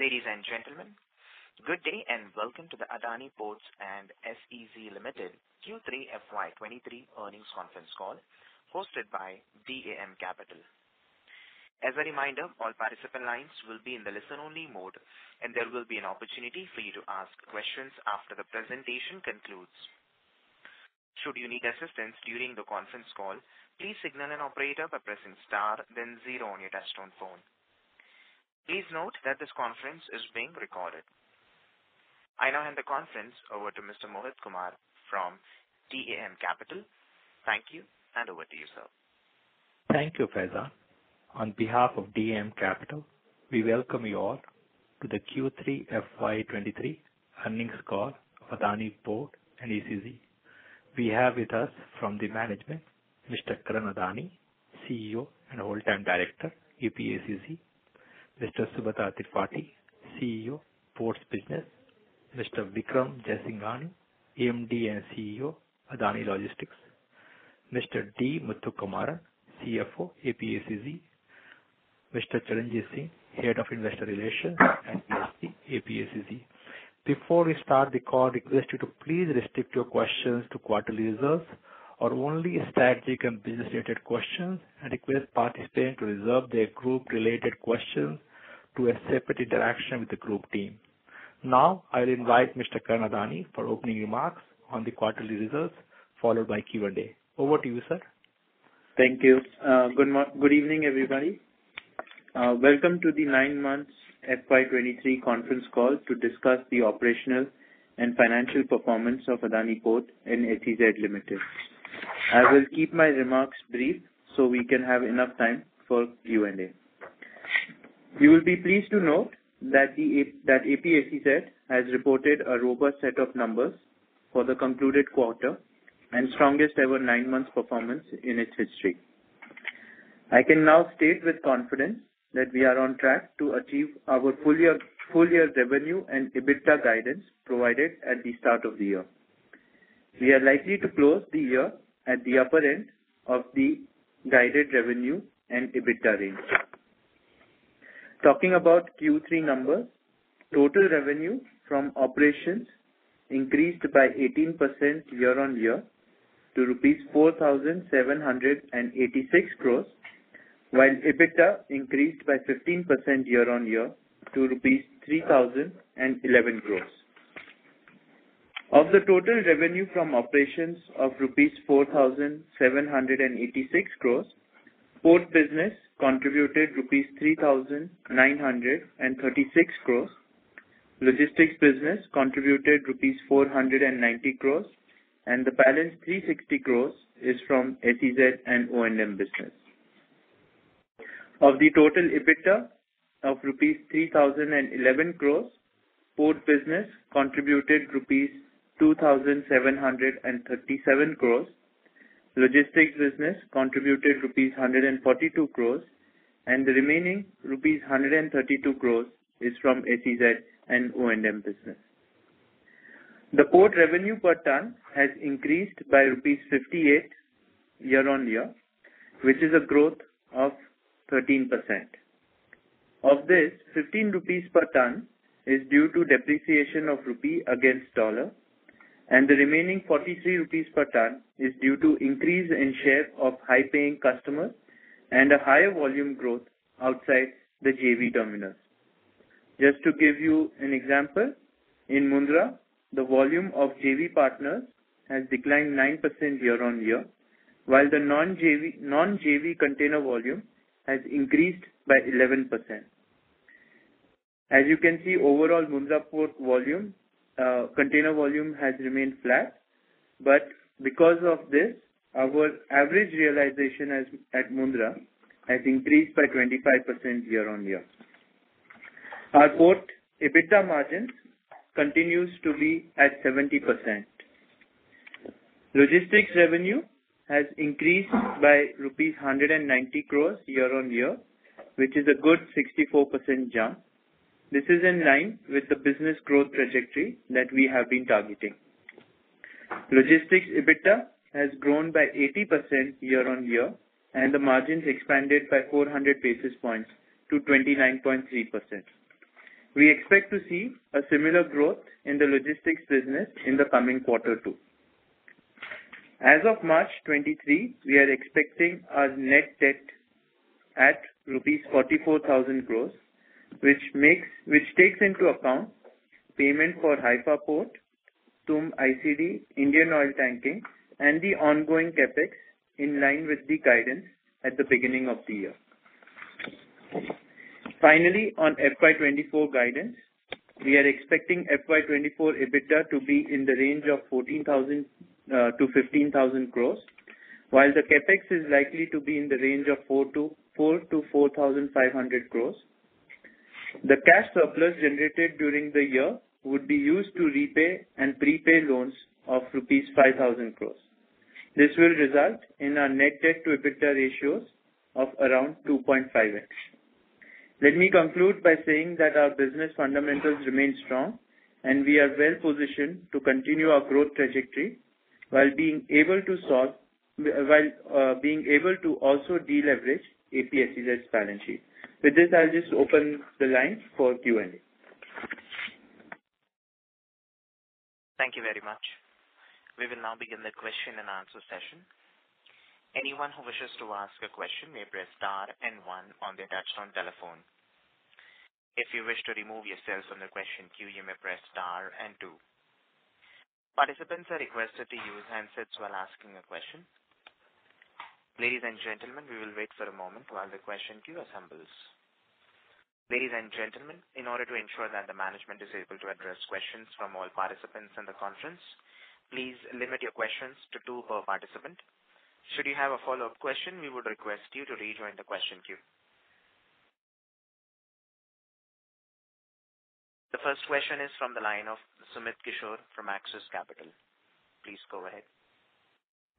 Ladies and gentlemen, good day and welcome to the Adani Ports and SEZ Limited Q3 FY 2023 earnings conference call hosted by DAM Capital. As a reminder, all participant lines will be in the listen-only mode, and there will be an opportunity for you to ask questions after the presentation concludes. Should you need assistance during the conference call, please signal an operator by pressing star then zero on your touch-tone phone. Please note that this conference is being recorded. I now hand the conference over to Mr. Mohit Kumar from DAM Capital. Thank you, and over to you, sir. Thank you, Faiza. On behalf of DAM Capital, we welcome you all to the Q3 FY 2023 earnings call, Adani Ports and SEZ. We have with us from the management, Mr. Karan Adani, CEO and Whole Time Director, APSEZ, Mr. Subrat Tripathy, CEO, Ports Business, Mr. Vikram Singh, MD and CEO, Adani Logistics, Mr. D. Muthukumaran, CFO, APSEZ, Mr. Charanjit Singh, Head of Investor Relations and ESG, APSEZ. Before we start the call, I request you to please restrict your questions to quarterly results or only strategic and business-related questions, and request participants to reserve their group-related questions to a separate interaction with the group team. Now, I'll invite Mr. Karan Adani for opening remarks on the quarterly results, followed by Q&A. Over to you, sir. Thank you. Good evening, everybody. Welcome to the nine months FY 2023 conference call to discuss the operational and financial performance of Adani Ports and Special Economic Zone Limited. I will keep my remarks brief. We can have enough time for Q&A. You will be pleased to note that APSEZ has reported a robust set of numbers for the concluded quarter and strongest ever nine-month performance in its history. I can now state with confidence that we are on track to achieve our full year revenue and EBITDA guidance provided at the start of the year. We are likely to close the year at the upper end of the guided revenue and EBITDA range. Talking about Q3 numbers, total revenue from operations increased by 18% year-on-year to rupees 4,786 crores, while EBITDA increased by 15% year-on-year to rupees 3,011 crores. Of the total revenue from operations of rupees 4,786 crores, port business contributed rupees 3,936 crores, logistics business contributed rupees 490 crores, and the balance 360 crores is from SEZ and O&M business. Of the total EBITDA of rupees 3,011 crores, port business contributed rupees 2,737 crores, logistics business contributed rupees 142 crores, and the remaining rupees 132 crores is from SEZ and O&M business. The port revenue per ton has increased by rupees 58 year-on-year, which is a growth of 13%. Of this, 15 rupees per ton is due to depreciation of rupee against dollar, and the remaining INR 43 per ton is due to increase in share of high-paying customers and a higher volume growth outside the JV terminals. Just to give you an example, in Mundra, the volume of JV partners has declined 9% year-on-year, while the non-JV container volume has increased by 11%. As you can see, overall Mundra port volume, container volume has remained flat, but because of this, our average realization at Mundra has increased by 25% year-on-year. Our port EBITDA margins continues to be at 70%. Logistics revenue has increased by rupees 190 crores year-on-year, which is a good 64% jump. This is in line with the business growth trajectory that we have been targeting. Logistics EBITDA has grown by 80% year-on-year and the margins expanded by 400 basis points to 29.3%. We expect to see a similar growth in the logistics business in the coming quarter too. As of March 2023, we are expecting our net debt at rupees 44,000 crores, which takes into account payment for Haifa Port, Tumb ICD, Indian Oiltanking Ltd, and the ongoing CapEx in line with the guidance at the beginning of the year. Finally, on FY 2024 guidance, we are expecting FY 2024 EBITDA to be in the range of 14,000 crores-15,000 crores, while the CapEx is likely to be in the range of 4,000 crores-4,500 crores. The cash surplus generated during the year would be used to repay and prepay loans of rupees 5,000 crores. This will result in our net debt to EBITDA ratios of around 2.5x. Let me conclude by saying that our business fundamentals remain strong, we are well-positioned to continue our growth trajectory. While being able to also deleverage APSEZ's balance sheet. With this, I'll just open the lines for Q&A. Thank you very much. We will now begin the question and answer session. Anyone who wishes to ask a question may press star and one on their touchtone telephone. If you wish to remove yourselves from the question queue, you may press star and two. Participants are requested to use handsets while asking a question. Ladies and gentlemen, we will wait for a moment while the question queue assembles. Ladies and gentlemen, in order to ensure that the management is able to address questions from all participants in the conference, please limit your questions to two per participant. Should you have a follow-up question, we would request you to rejoin the question queue. The first question is from the line of Sumit Kishore from Axis Capital. Please go ahead.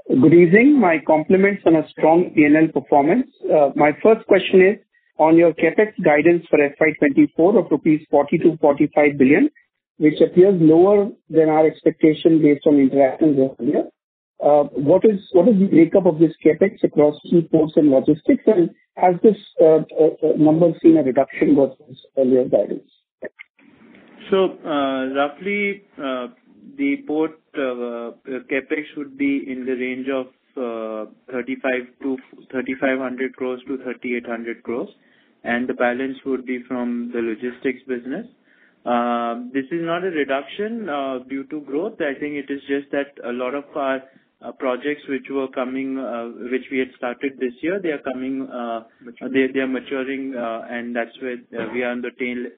Good evening. My compliments on a strong PNL performance. My first question is on your CapEx guidance for FY 2024 of 40 billion-45 billion rupees, which appears lower than our expectation based on interactions with you. What is the makeup of this CapEx across seaports and logistics? Has this number seen a reduction versus earlier guidance? Roughly, the port, CapEx would be in the range of 3,500 crores-3,800 crores, and the balance would be from the logistics business. This is not a reduction, due to growth. I think it is just that a lot of our, projects which were coming, which we had started this year, they are coming. Maturing. They are maturing, and that's where we are in the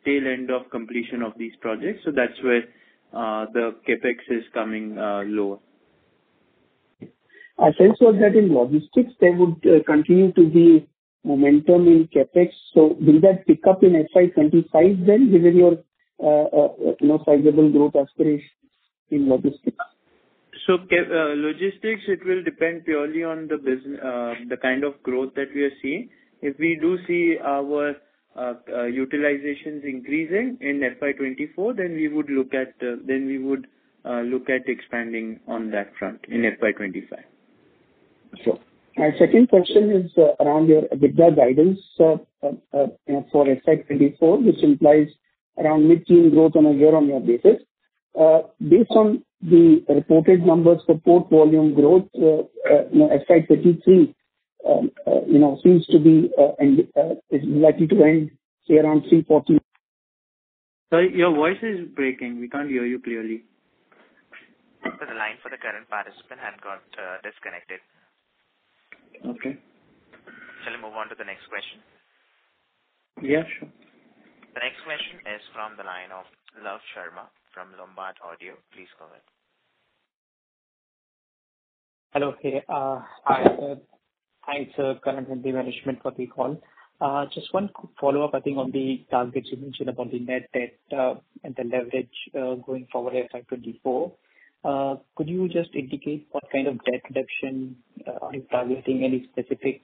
tail end of completion of these projects. That's where the CapEx is coming lower. I sense was that in logistics there would continue to be momentum in CapEx. Will that pick up in FY 2025 then, given your, you know, sizable growth aspiration in logistics? logistics, it will depend purely on the kind of growth that we are seeing. If we do see our utilizations increasing in FY 2024, then we would look at expanding on that front in FY 2025. Sure. My second question is around your EBITDA guidance. you know, for FY 2024, which implies around mid-teen growth on a year-on-year basis. based on the reported numbers for port volume growth, you know, FY 2023, you know, seems to be likely to end say around 340- Sorry, your voice is breaking. We can't hear you clearly. The line for the current participant has got disconnected. Okay. Shall I move on to the next question? Yeah, sure. The next question is from the line of Love Sharma from Lombard Odier. Please go ahead. Hello. Okay. Hi. Hi to Karan Adani and the management for the call. Just one quick follow-up, I think, on the targets you mentioned about the net debt and the leverage going forward FY 2024. Could you just indicate what kind of debt reduction are you targeting? Any specific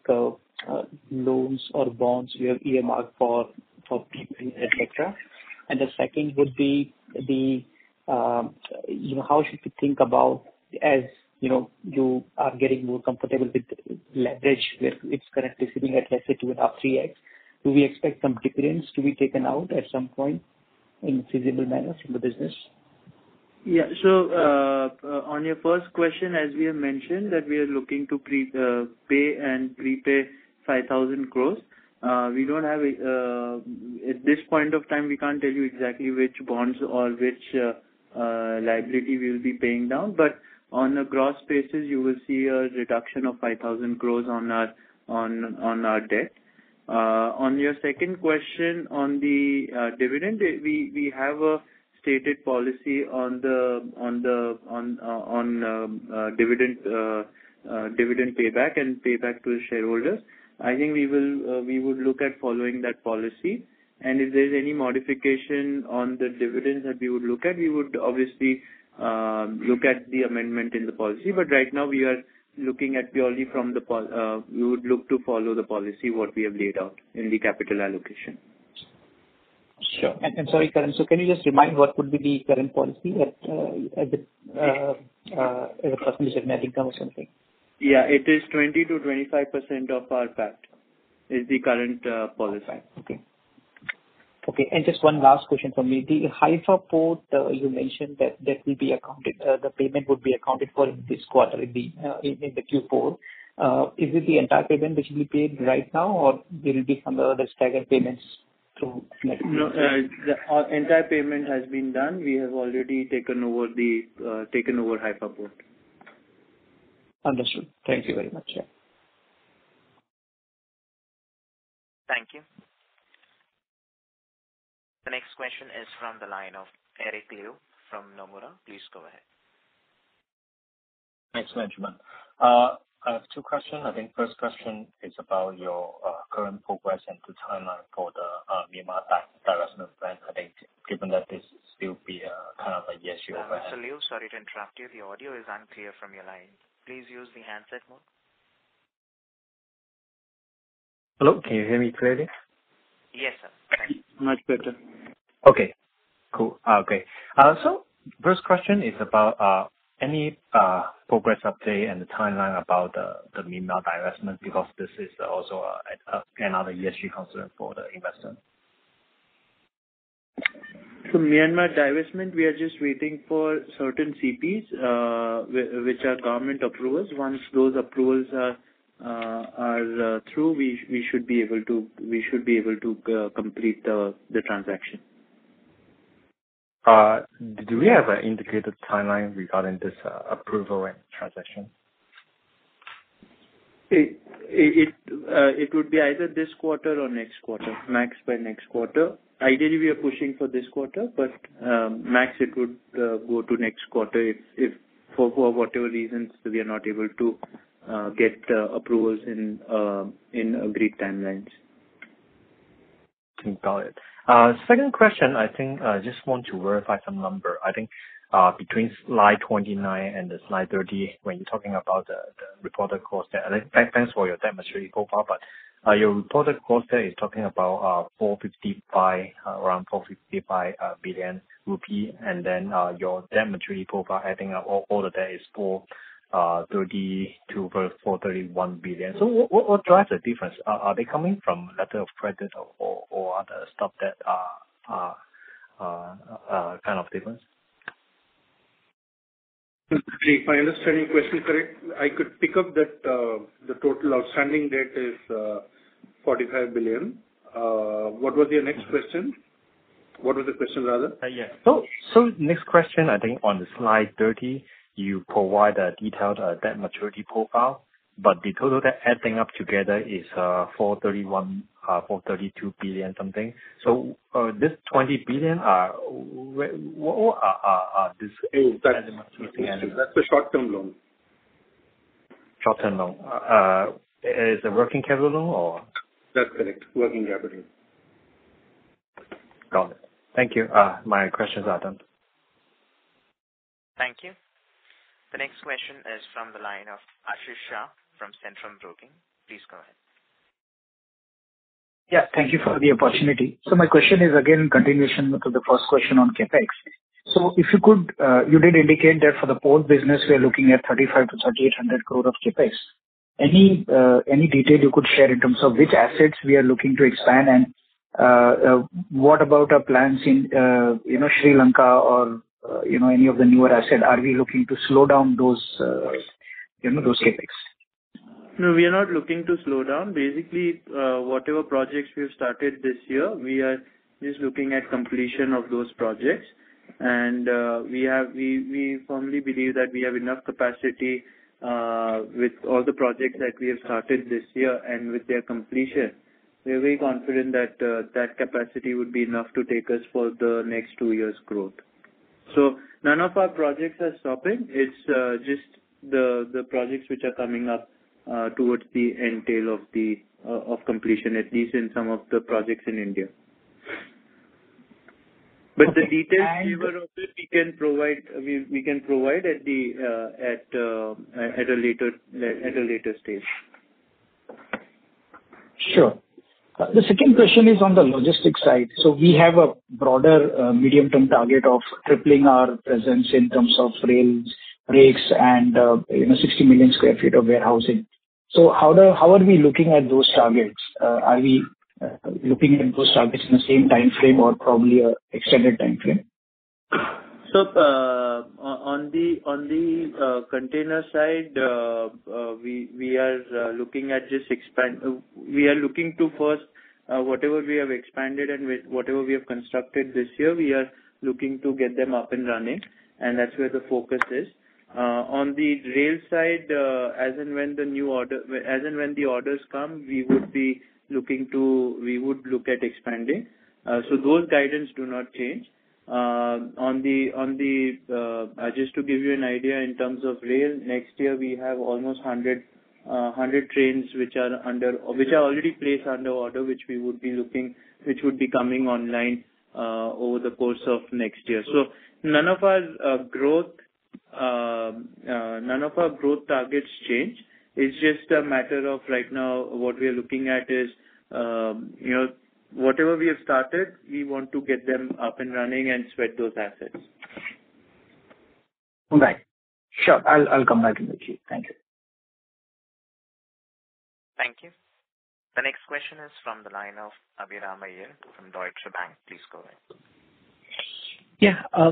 loans or bonds you have earmarked for prepay, et cetera? The second would be, you know, how should we think about as, you know, you are getting more comfortable with leverage where it's currently sitting at let's say 2.5x-3x. Do we expect some dividends to be taken out at some point in feasible manners in the business? On your first question, as we have mentioned, that we are looking to pay and prepay 5,000 crores. We don't have. At this point of time, we can't tell you exactly which bonds or which liability we will be paying down. On a gross basis, you will see a reduction of 5,000 crores on our debt. On your second question on the dividend, we have a stated policy on the dividend payback and payback to the shareholders. I think we will, we would look at following that policy. If there's any modification on the dividend that we would look at, we would obviously look at the amendment in the policy. Right now we are looking at we would look to follow the policy, what we have laid out in the capital allocation. Sure. Sorry, Karan, so can you just remind what would be the current policy at the as a percentage of net income or something? Yeah. It is 20%-25% of our PAT is the current policy. Okay. Okay, just one last question for me. The Haifa Port, you mentioned that that will be accounted, the payment would be accounted for in this quarter, in Q4. Is it the entire payment which will be paid right now, or there will be some other staggered payments through next year? No. Our entire payment has been done. We have already taken over Haifa Port. Understood. Thank you very much. Yeah. Thank you. The next question is from the line of Eric Liu from Nomura. Please go ahead. Thanks, management. I have two questions. I think first question is about your current progress and the timeline for the Myanmar divestment plan. I think given that this still be a kind of a yes/no. Mr. Liu, sorry to interrupt you. The audio is unclear from your line. Please use the handset mode. Hello, can you hear me clearly? Yes, sir. Much better. Okay, cool. Okay. First question is about any progress update and the timeline about the Myanmar divestment because this is also another ESG concern for the investor. Myanmar divestment, we are just waiting for certain CPs, which are government approvals. Once those approvals are through, we should be able to complete the transaction. Do we have an indicated timeline regarding this approval and transaction? It would be either this quarter or next quarter, max by next quarter. Ideally, we are pushing for this quarter. Max it would go to next quarter if for whatever reasons we are not able to get the approvals in agreed timelines. Got it. Second question, I think, just want to verify some number. I think, between slide 29 and slide 30, when you're talking about the reported cost, thanks for your debt maturity profile, your reported cost there is talking about around 455 billion rupee. Your debt maturity profile, I think all of that is 432, 431 billion. What drives the difference? Are they coming from letter of credit or other stuff that kind of difference? If I understand your question correct, I could pick up that, the total outstanding debt is, 45 billion. What was your next question? What was the question rather? Yeah. Next question, I think on slide 30 you provide a detailed debt maturity profile, but the total debt adding up together is 431, 432 billion something. This 20 billion, what are this- That's the short-term loan. Short-term loan. Is it working capital or? That's correct. Working capital. Got it. Thank you. My questions are done. Thank you. The next question is from the line of Ashish Shah from Centrum Broking. Please go ahead. Yeah. Thank you for the opportunity. My question is again, continuation to the first question on CapEx. If you could, you did indicate that for the port business we are looking at 3,500 crore-3,800 crore of CapEx. Any, any detail you could share in terms of which assets we are looking to expand and, what about our plans in, you know, Sri Lanka or, you know, any of the newer assets. Are we looking to slow down those, you know, those CapEx? No, we are not looking to slow down. Basically, whatever projects we have started this year, we are just looking at completion of those projects. We firmly believe that we have enough capacity with all the projects that we have started this year. With their completion, we are very confident that that capacity would be enough to take us for the next two years' growth. None of our projects are stopping. It's just the projects which are coming up towards the end tail of the of completion, at least in some of the projects in India. Okay. The details we can provide at a later stage. Sure. The second question is on the logistics side. We have a broader, medium-term target of tripling our presence in terms of rails, rakes and, you know, 60 million square feet of warehousing. How are we looking at those targets? Are we looking at those targets in the same time frame or probably an extended time frame? On the container side, we are looking to first, whatever we have expanded and with whatever we have constructed this year, we are looking to get them up and running, and that's where the focus is. On the rail side, as and when the orders come, we would look at expanding. Those guidance do not change. On the just to give you an idea in terms of rail, next year we have almost 100 trains which are already placed under order, which would be coming online over the course of next year. None of our growth targets change. It's just a matter of right now what we are looking at is, you know, whatever we have started, we want to get them up and running and sweat those assets. All right. Sure. I'll come back in the queue. Thank you. Thank you. The next question is from the line of Abhiram Nitin from Deutsche Bank. Please go ahead.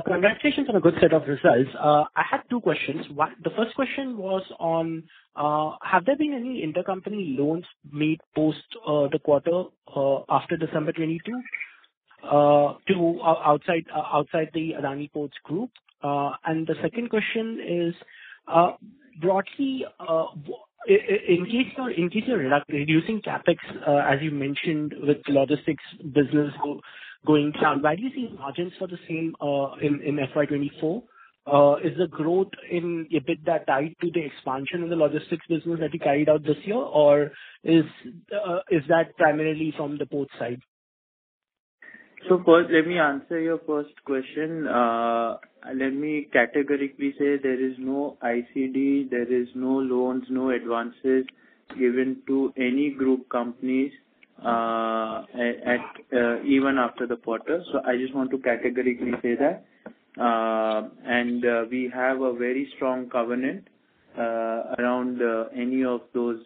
Congratulations on a good set of results. I have two questions. One, the first question was on, have there been any intercompany loans made post the quarter after December 2022 to outside the Adani Ports group? The second question is, broadly, in case you're reducing CapEx, as you mentioned with logistics business going down, where do you see margins for the same in FY 2024? Is the growth in EBITDA tied to the expansion in the logistics business that you carried out this year, or is that primarily from the port side? First, let me answer your first question. Let me categorically say there is no ICD, there is no loans, no advances given to any group companies, at even after the quarter. I just want to categorically say that. We have a very strong covenant around any of those,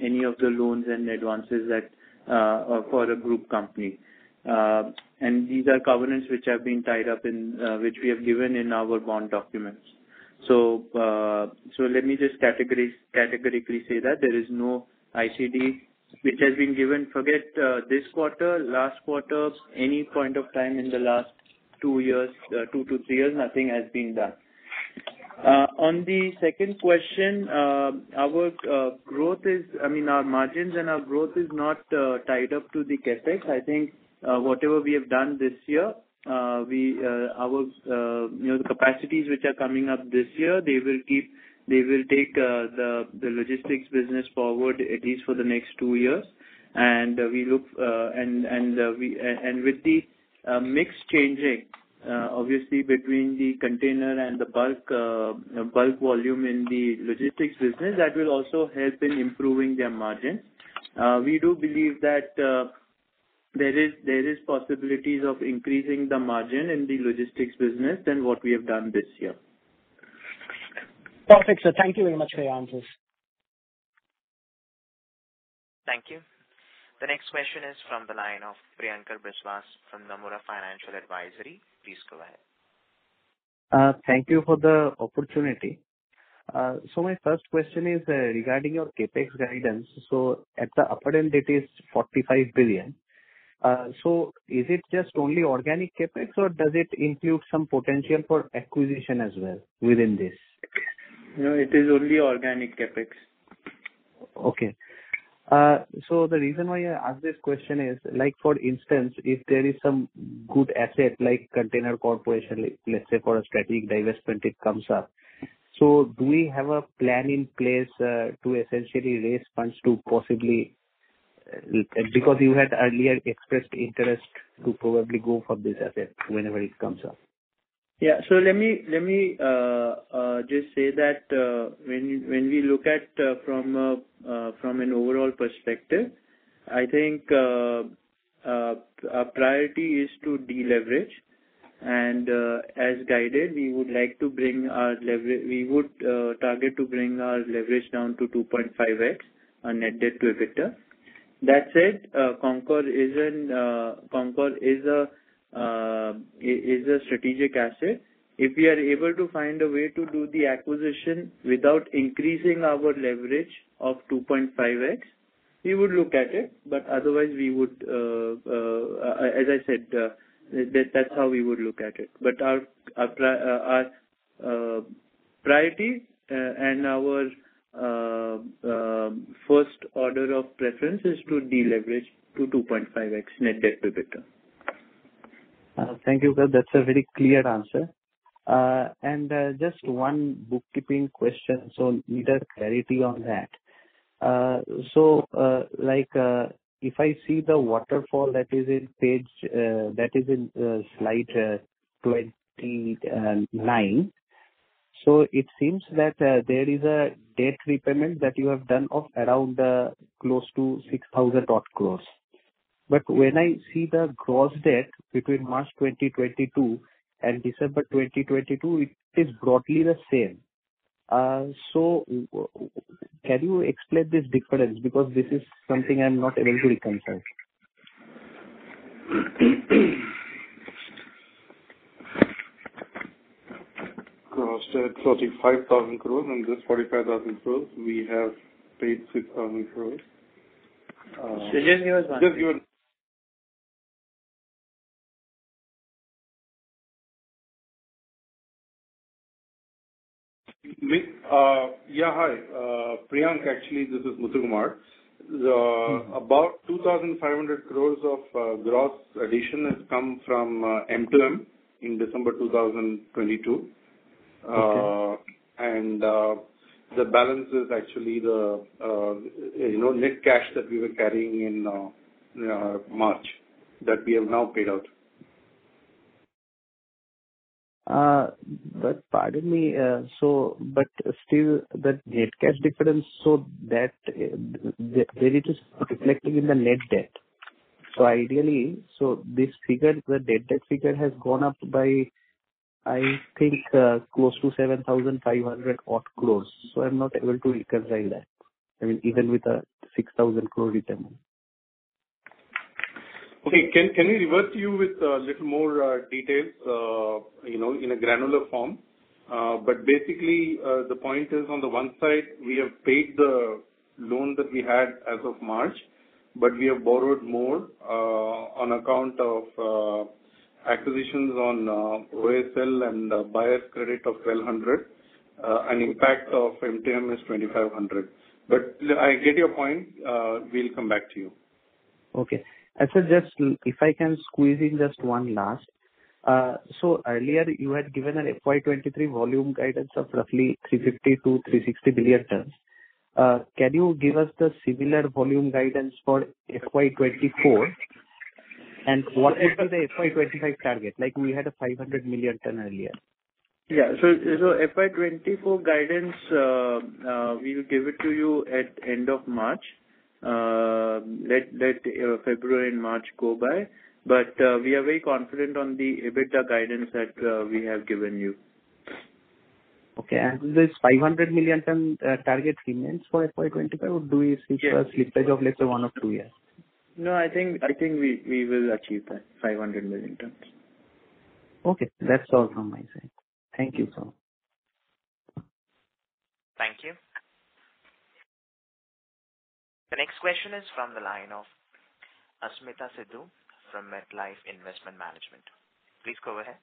any of the loans and advances that are for a group company. These are covenants which have been tied up in which we have given in our bond documents. Let me just categorically say that there is no ICD which has been given. Forget this quarter, last quarter, any point of time in the last two years, two to three years, nothing has been done. On the second question, our growth is... I mean, our margins and our growth is not tied up to the CapEx. I think, whatever we have done this year, we, our, you know, the capacities which are coming up this year, they will take the logistics business forward at least for the next two years. We look, and with the mix changing, obviously between the container and the bulk volume in the logistics business, that will also help in improving their margin. We do believe that there is possibilities of increasing the margin in the logistics business than what we have done this year. Perfect, sir. Thank you very much for your answers. Thank you. The next question is from the line of Priyankar Biswas from Nomura Financial Advisory. Please go ahead. Thank you for the opportunity. My first question is regarding your CapEx guidance. At the upper end it is 45 billion. Is it just only organic CapEx, or does it include some potential for acquisition as well within this? No, it is only organic CapEx. The reason why I ask this question is, like for instance, if there is some good asset like Container Corporation, let's say for a strategic divestment it comes up. Do we have a plan in place to essentially raise funds to possibly, because you had earlier expressed interest to probably go for this asset whenever it comes up? Yeah. Let me just say that when we look at from an overall perspective, I think our priority is to deleverage. As guided, we would like to bring our leverage we would target to bring our leverage down to 2.5x on net debt to EBITDA. That said, Concor is a strategic asset. If we are able to find a way to do the acquisition without increasing our leverage of 2.5x, we would look at it, but otherwise we would, as I said, that's how we would look at it. Our priority and our first order of preference is to deleverage to 2.5x net debt to EBITDA. Thank you, sir. That's a very clear answer. Just one bookkeeping question. Need a clarity on that. Like, if I see the waterfall that is in page, that is in, slide, 29. It seems that there is a debt repayment that you have done of around, close to 6,000 crores. But when I see the gross debt between March 2022 and December 2022, it is broadly the same. Can you explain this difference? Because this is something I'm not able to reconcile. Gross debt 45,000 crores and this 45,000 crores, we have paid 6,000 crores. just give us Just give- Me? yeah. Hi. Priyank. Actually, this is Muthukumar. Mm-hmm. About 2,500 crores of gross addition has come from MTM in December 2022. Okay. The balance is actually the, you know, net cash that we were carrying in March that we have now paid out. Pardon me. Still the net cash difference, so that where it is reflecting in the net debt. Ideally, this figure, the net debt figure has gone up by, I think, close to 7,500 odd crores, I'm not able to reconcile that. I mean, even with a 6,000 crore repayment. Okay. Can we revert to you with little more details, you know, in a granular form? Basically, the point is on the one side we have paid the loan that we had as of March, but we have borrowed more on account of acquisitions on OSL and buyer's credit of 1,200. Impact of MTM is 2,500. I get your point. We'll come back to you. Okay. I suggest if I can squeeze in just one last. Earlier you had given an FY 2023 volume guidance of roughly 350-360 billion tons. Can you give us the similar volume guidance for FY 2024? What is the FY 2025 target? Like, we had a 500 million ton earlier. Yeah. FY 2024 guidance, we will give it to you at end of March. Let February and March go by. We are very confident on the EBITDA guidance that we have given you. Okay. This 500 million ton target remains for FY 2025 or do you see... Yes. -a slippage of let's say one or two years? No, I think we will achieve that 500 million tons. Okay. That's all from my side. Thank you, sir. Thank you. The next question is from the line of Asmeeta Sidhu from MetLife Investment Management. Please go ahead.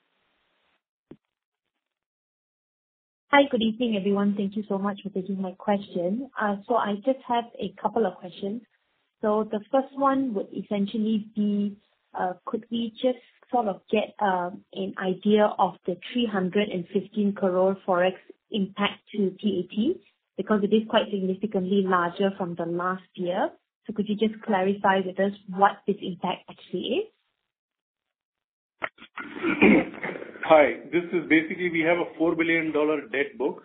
Hi. Good evening, everyone. Thank You so much for taking my question. I just have a couple of questions. The first one would essentially be, could we just sort of get an idea of the 315 crore Forex impact to PAT, because it is quite significantly larger from the last year. Could you just clarify with us what this impact actually is? Hi. This is basically we have a $4 billion debt book.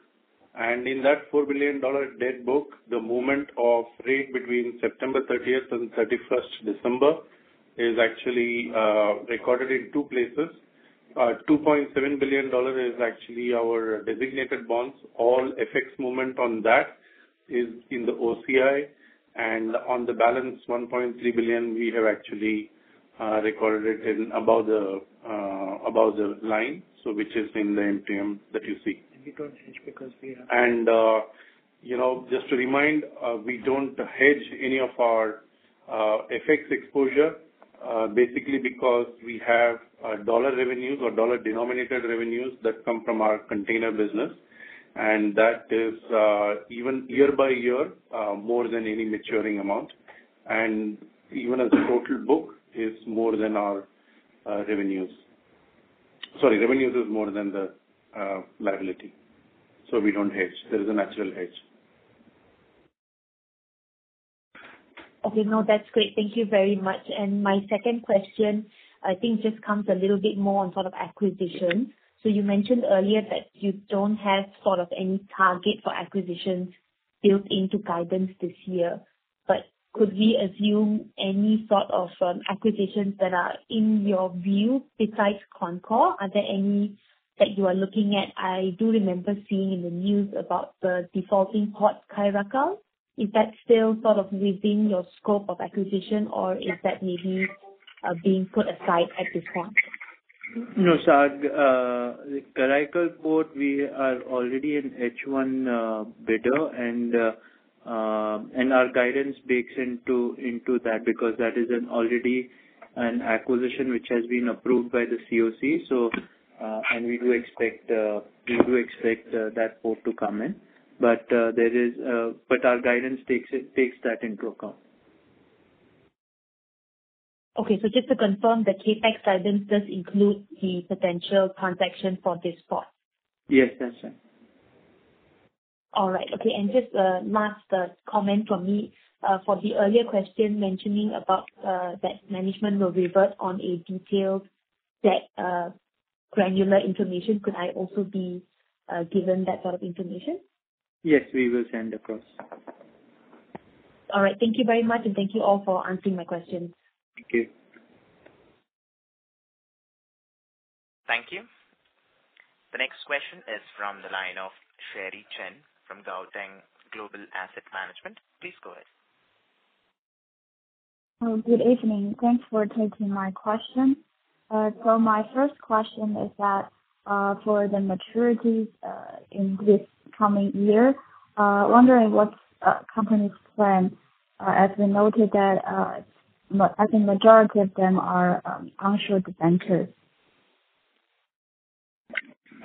In that $4 billion debt book, the movement of rate between September 30th and 31st December is actually recorded in two places. $2.7 billion is actually our designated bonds. All FX movement on that is in the OCI. On the balance, $1.3 billion, we have actually recorded it in above the line, which is in the NPM that you see. We don't hedge because we. You know, just to remind, we don't hedge any of our FX exposure, basically because we have dollar revenues or dollar-denominated revenues that come from our container business. That is even year by year more than any maturing amount. Even as the total book is more than our revenues. Sorry, revenues is more than the liability. We don't hedge. There is a natural hedge. Okay. No, that's great. Thank you very much. My second question, I think just comes a little bit more on sort of acquisition. You mentioned earlier that you don't have sort of any target for acquisitions built into guidance this year. Could we assume any sort of acquisitions that are in your view besides Concor? Are there any that you are looking at? I do remember seeing in the news about the defaulting port Karaikal. Is that still sort of within your scope of acquisition or is that maybe being put aside at this point? No. Our Karaikal Port, we are already an H1 bidder, and our guidance bakes into that because that is already an acquisition which has been approved by the COC. We do expect that port to come in. There is, but our guidance takes that into account. Just to confirm, the CapEx guidance does include the potential transaction for this port? Yes. That's right. All right. Okay. Just, last comment from me. For the earlier question mentioning about, debt management will revert on a detailed debt, granular information. Could I also be given that sort of information? Yes. We will send across. All right. Thank you very much, and thank you all for answering my questions. Thank you. Thank you. The next question is from the line of Sherry Chen from GaoTeng Global Asset Management. Please go ahead. Good evening. Thanks for taking my question. My first question is that for the maturities in this coming year, wondering what company's plan, as we noted that I think majority of them are onshore debentures?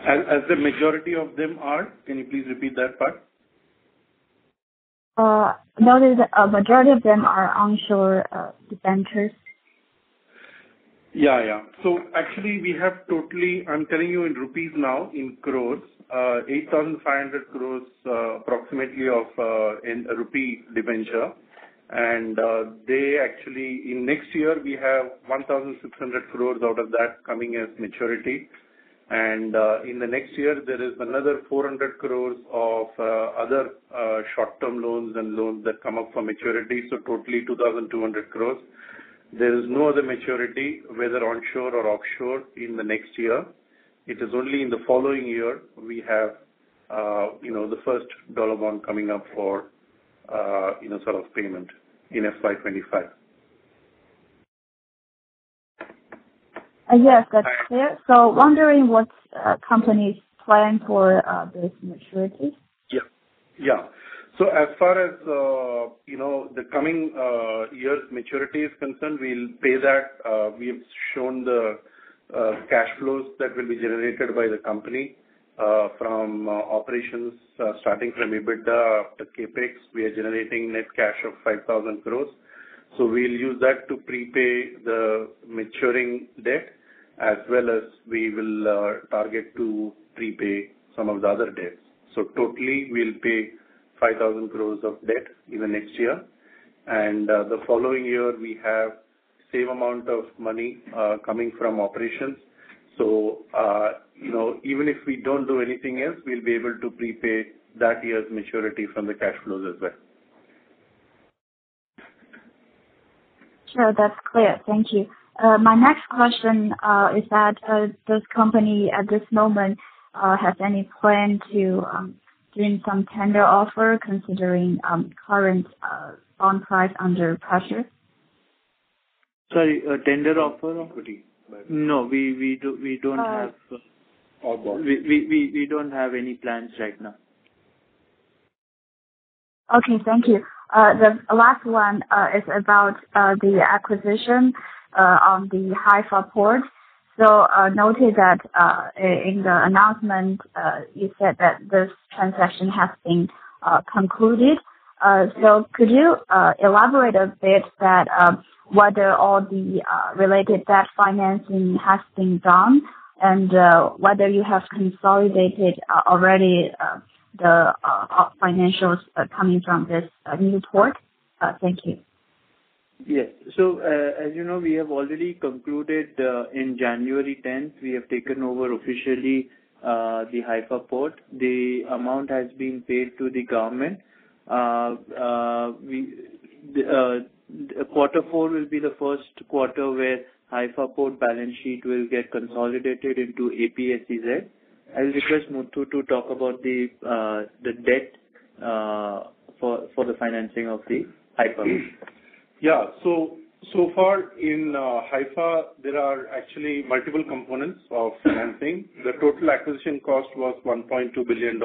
As the majority of them are? Can you please repeat that part? Noted a majority of them are onshore, debentures. Yeah, yeah. Actually we have totally, I'm telling you in rupees now, in crores. 8,500 crores approximately of in rupee debenture. They actually in next year we have 1,600 crores out of that coming as maturity. In the next year there is another 400 crores of other short-term loans and loans that come up for maturity. Totally 2,200 crores. There is no other maturity, whether onshore or offshore, in the next year. It is only in the following year we have, you know, the first dollar bond coming up for, you know, sort of payment in FY 2025. Yes, that's clear. Wondering what, company's plan for, this maturity? Yeah. Yeah. As far as, you know, the coming year's maturity is concerned, we'll pay that. We've shown the cash flows that will be generated by the company from operations, starting from EBITDA to CapEx. We are generating net cash of 5,000 crores. We'll use that to prepay the maturing debt as well as we will target to prepay some of the other debts. Totally, we'll pay 5,000 crore of debt in the next year. The following year, we have same amount of money coming from operations. You know, even if we don't do anything else, we'll be able to prepay that year's maturity from the cash flows as well. Sure. That's clear. Thank you. My next question is that does company at this moment have any plan to doing some tender offer considering current bond price under pressure? Sorry, a tender offer? Equity. No, we don't have... Uh. Bond. We don't have any plans right now. Okay. Thank you. The last one is about the acquisition on the Haifa Port. Noted that in the announcement, you said that this transaction has been concluded. Could you elaborate a bit that whether all the related debt financing has been done and whether you have consolidated already the financials coming from this new port? Thank you. Yes. as you know, we have already concluded, in January 10th, we have taken over officially, the Haifa Port. The amount has been paid to the government. The quarter four will be the first quarter where Haifa Port balance sheet will get consolidated into APSEZ. I'll request Muthu to talk about the debt for the financing of the Haifa Port. So far in Haifa, there are actually multiple components of financing. The total acquisition cost was $1.2 billion.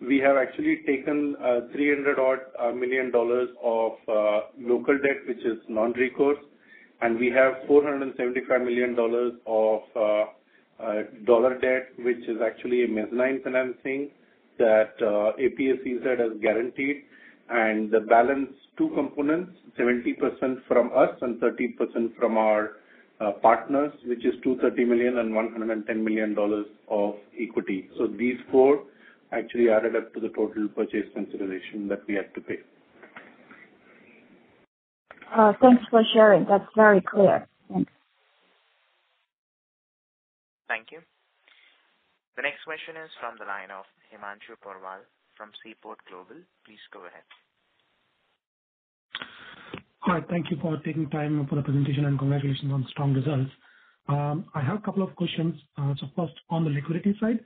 We have actually taken $300 odd million of local debt, which is non-recourse. We have $475 million of dollar debt, which is actually a mezzanine financing that APSEZ has guaranteed. The balance two components, 70% from us and 30% from our partners, which is $230 million and $110 million of equity. These four actually added up to the total purchase consideration that we had to pay. Thanks for sharing. That's very clear. Thanks. Thank you. The next question is from the line of Himanshu Porwal from Seaport Global. Please go ahead. Hi. Thank you for taking time for the presentation, and congratulations on strong results. I have a couple of questions. First on the liquidity side,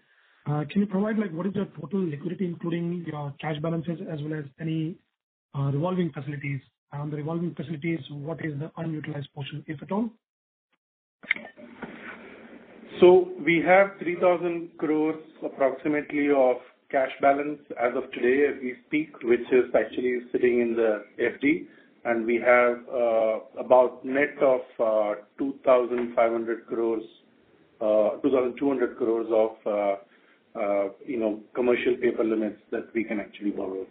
can you provide like what is your total liquidity, including your cash balances as well as any revolving facilities? The revolving facilities, what is the unutilized portion, if at all? We have 3,000 crores approximately of cash balance as of today as we speak, which is actually sitting in the FD. We have about net of 2,500 crores, 2,200 crores of, you know, commercial paper limits that we can actually borrow.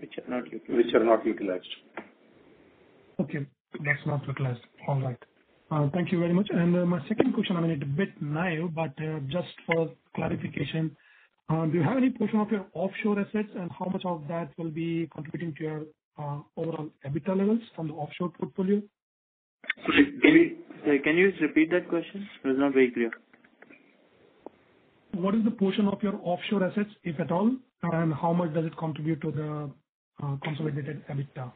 Which are not utilized. Which are not utilized. Okay. That's not utilized. All right. Thank you very much. My second question, I mean, it's a bit naive, but just for clarification, do you have any portion of your offshore assets and how much of that will be contributing to your overall EBITDA levels from the offshore portfolio? Can you just repeat that question? It was not very clear. What is the portion of your offshore assets, if at all, and how much does it contribute to the consolidated EBITDA?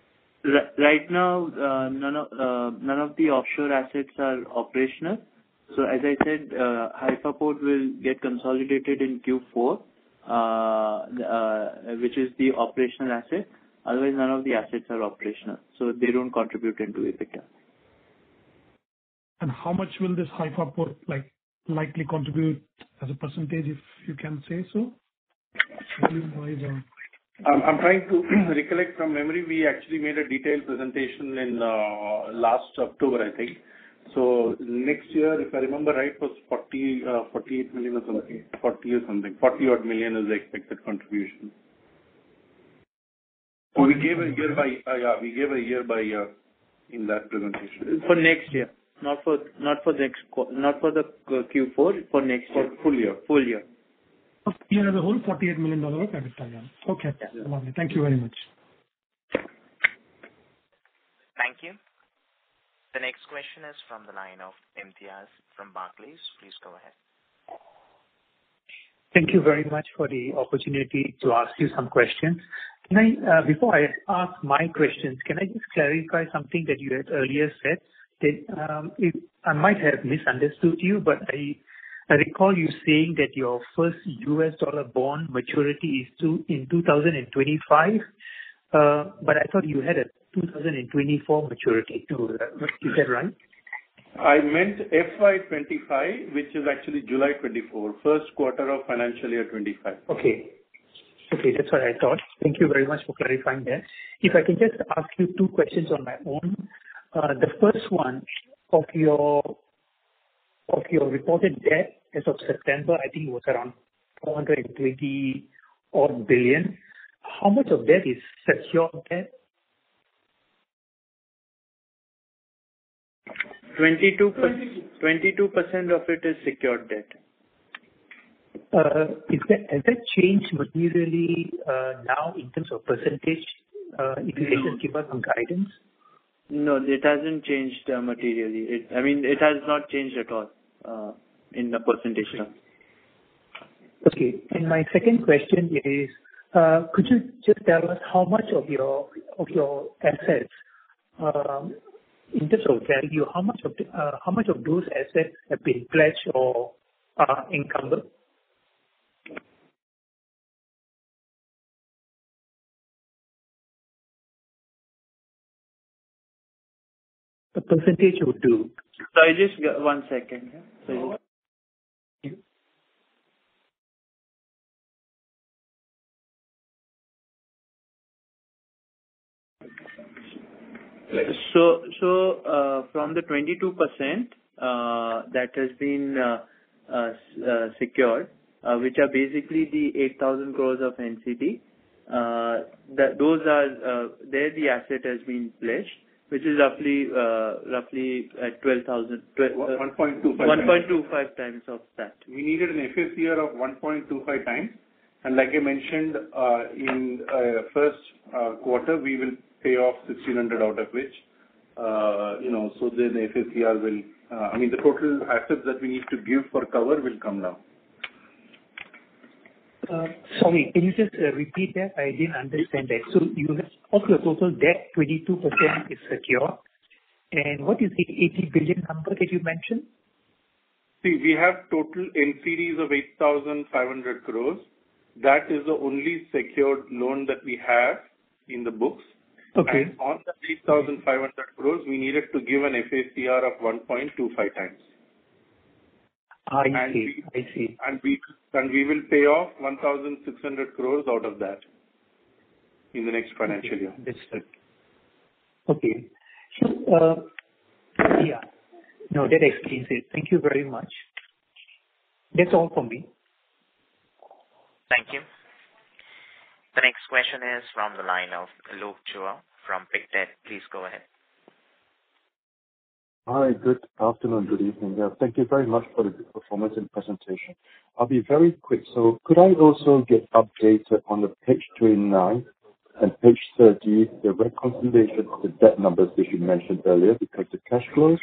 Right now, none of the offshore assets are operational. As I said, Haifa Port will get consolidated in Q4, which is the operational asset. Otherwise, none of the assets are operational, so they don't contribute into EBITDA. How much will this Haifa Port like likely contribute as a percentage, if you can say so? I'm trying to recollect from memory. We actually made a detailed presentation in last October, I think. Next year, if I remember right, it was $48 million or something. $40 something. $40 odd million is the expected contribution. We gave a year by year in that presentation. For next year, not for, not for the next Q4, for next year. For full year. Full year. Okay. Year as a whole, $48 million EBITDA. Yeah. Okay. Yeah. Lovely. Thank you very much. Thank you. The next question is from the line of Imtiaz from Barclays. Please go ahead. Thank you very much for the opportunity to ask you some questions. Can I before I ask my questions, can I just clarify something that you had earlier said? If I might have misunderstood you, I recall you saying that your first U.S. dollar bond maturity is in 2025. I thought you had a 2024 maturity too. Is that right? I meant FY 2025, which is actually July 24. First quarter of financial year 2025. Okay. Okay. That's what I thought. Thank you very much for clarifying that. If I can just ask you two questions on my own. The first one, of your reported debt as of September, I think it was around $420 odd billion. How much of debt is secured debt? 22 per- Twenty-two. 22% of it is secured debt. Has that, has that changed materially, now in terms of percentage? If you can just give us some guidance. No, it hasn't changed, materially. I mean, it has not changed at all, in the percentage terms. Okay. My second question is, could you just tell us how much of your, of your assets, in terms of value, how much of, how much of those assets have been pledged or are encumbered? The percentage of total. Sorry, just one second. Thank you. from the 22%, that has been secured, which are basically the 8,000 crore of NCD, those are, there the asset has been pledged, which is roughly 12,000- 1.25. 1.25 times of that. We needed an FACR of 1.25 times. Like I mentioned, in first quarter, we will pay off 1,600 out of which, you know, so then FACR will. I mean, the total assets that we need to give for cover will come down. Sorry, can you just repeat that? I didn't understand that. You have, of your total debt, 22% is secure. What is the $80 billion number that you mentioned? We have total NCDs of 8,500 crores. That is the only secured loan that we have in the books. Okay. On the 8,500 crores, we needed to give an FACR of 1.25 times. I see. I see. We will pay off 1,600 crores out of that in the next financial year. That's it. Okay. Yeah. No, that explains it. Thank you very much. That's all from me. Thank you. The next question is from the line of Luke Chua from Pictet. Please go ahead. Hi. Good afternoon. Good evening. Thank you very much for the good performance and presentation. I'll be very quick. Could I also get updated on the page 29 and page 30, the reconciliation of the debt numbers that you mentioned earlier? The cash flows,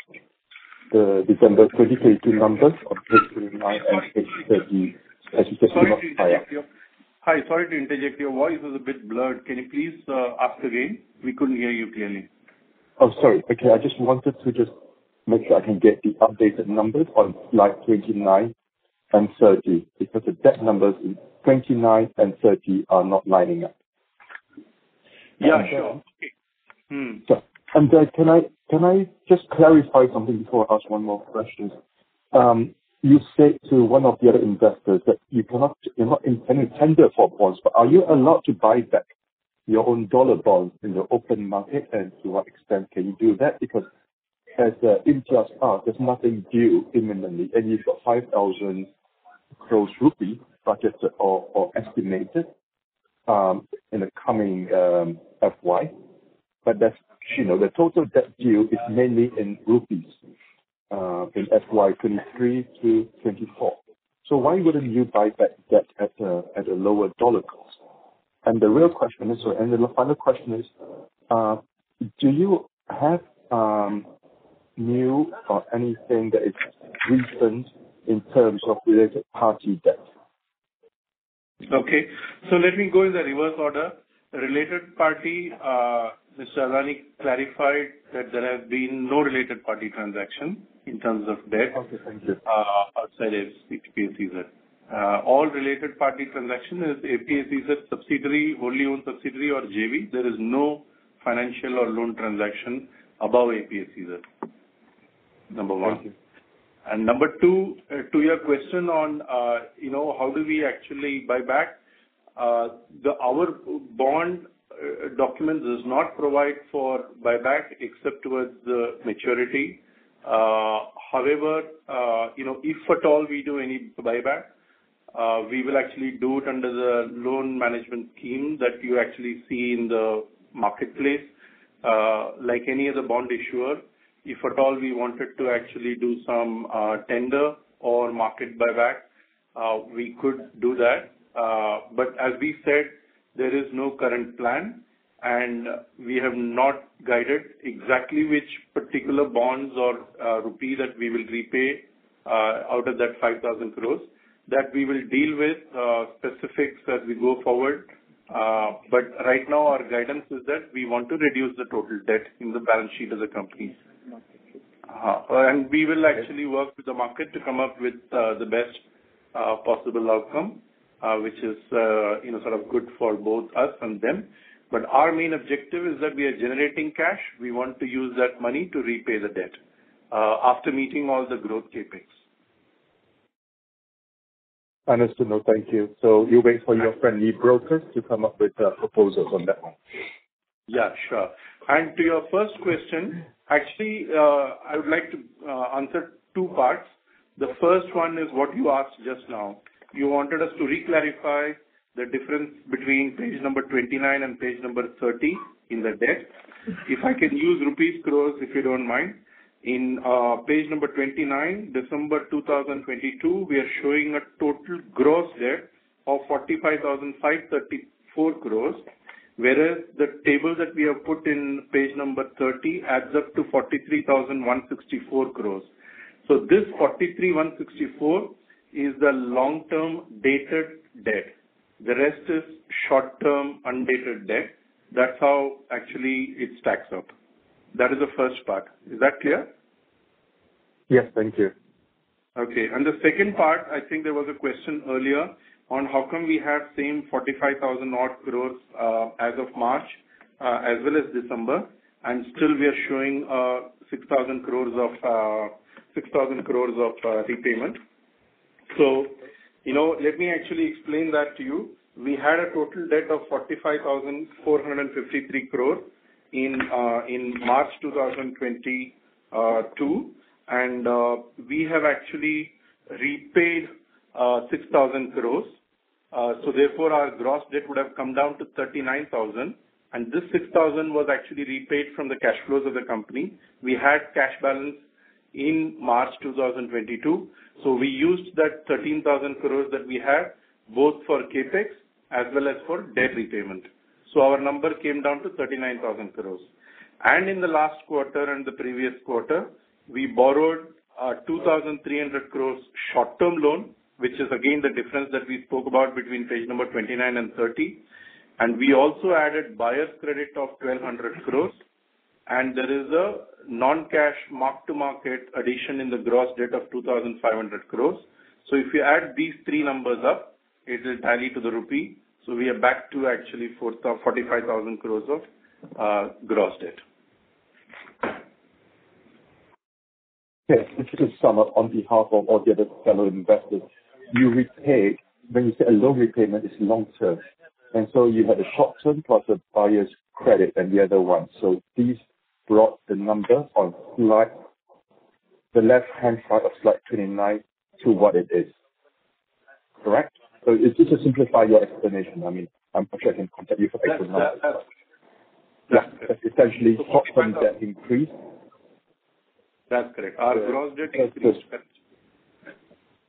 the December 2022 numbers on page 29 and page 30. Hi. Sorry to interject. Your voice is a bit blurred. Can you please ask again? We couldn't hear you clearly. Oh, sorry. Okay. I just wanted to just make sure I can get the updated numbers on slide 29 and 30, because the debt numbers in 29 and 30 are not lining up. Yeah, sure. Mm-hmm. Can I just clarify something before I ask one more question? You said to one of the other investors that you cannot, you're not in any tender for bonds. Are you allowed to buy back your own dollar bond in the open market, and to what extent can you do that? As the interest are, there's nothing due imminently. You've got 5,000 crores rupees budgeted or estimated in the coming FY. That's, you know, the total debt due is mainly in rupees in FY 2023-2024. Why wouldn't you buy back debt at a lower dollar cost? The real question is. The final question is, do you have new or anything that is recent in terms of related party debt? Let me go in the reverse order. Related party, Mr. Karan Adani clarified that there have been no related party transaction in terms of debt. Okay. Thank you. Outside APSEZ. All related party transaction is APSEZ subsidiary, wholly owned subsidiary or JV. There is no financial or loan transaction above APSEZ. Number one. Thank you. Number two, to your question on, you know, how do we actually buy back. Our bond document does not provide for buyback except towards the maturity. However, you know, if at all we do any buyback, we will actually do it under the loan management team that you actually see in the marketplace. Like any other bond issuer, if at all we wanted to actually do some, tender or market buyback, we could do that. As we said, there is no current plan, and we have not guided exactly which particular bonds or rupee that we will repay out of that 5,000 crores. That we will deal with specifics as we go forward. Right now our guidance is that we want to reduce the total debt in the balance sheet of the company. We will actually work with the market to come up with the best possible outcome, which is, you know, sort of good for both us and them. Our main objective is that we are generating cash. We want to use that money to repay the debt after meeting all the growth CapEx. Understood. No, thank you. You wait for your friendly brokers to come up with proposals on that one. Yeah, sure. To your first question, actually, I would like to answer two parts. The first one is what you asked just now. You wanted us to re-clarify the difference between page number 29 and page number 30 in the deck. If I can use rupees crores, if you don't mind. In page number 29, December 2022, we are showing a total gross debt of 45,534 crores, whereas the table that we have put in page number 30 adds up to 43,164 crores. This 43,164 is the long-term dated debt. The rest is short-term undated debt. That's how actually it stacks up. That is the first part. Is that clear? Yes. Thank you. Okay. The second part, I think there was a question earlier on how come we have same 45,000 odd crores as of March as well as December, and still we are showing 6,000 crores of repayment. You know, let me actually explain that to you. We had a total debt of 45,453 crore in March 2022, we have actually repaid 6,000 crores. Therefore, our gross debt would have come down to 39,000, and this 6,000 was actually repaid from the cash flows of the company. We had cash balance in March 2022, we used that 13,000 crores that we had both for CapEx as well as for debt repayment. Our number came down to 39,000 crores. In the last quarter and the previous quarter, we borrowed 2,300 crores short-term loan, which is again the difference that we spoke about between page number 29 and 30. We also added buyer's credit of 1,200 crores, and there is a non-cash mark-to-market addition in the gross debt of 2,500 crores. If you add these three numbers up, it is tally to the INR. We are back to actually 45,000 crores of gross debt. Okay. Just to sum up on behalf of all the other fellow investors, you repay... When you say a loan repayment, it's long-term, and so you had a short-term plus a buyer's credit and the other one. These brought the number on slide, the left-hand side of slide 29 to what it is. Correct? Just to simplify your explanation. I mean, I'm sure I can contact you for extra That's. Yeah. Essentially short-term debt increased. That's correct. Our gross debt increased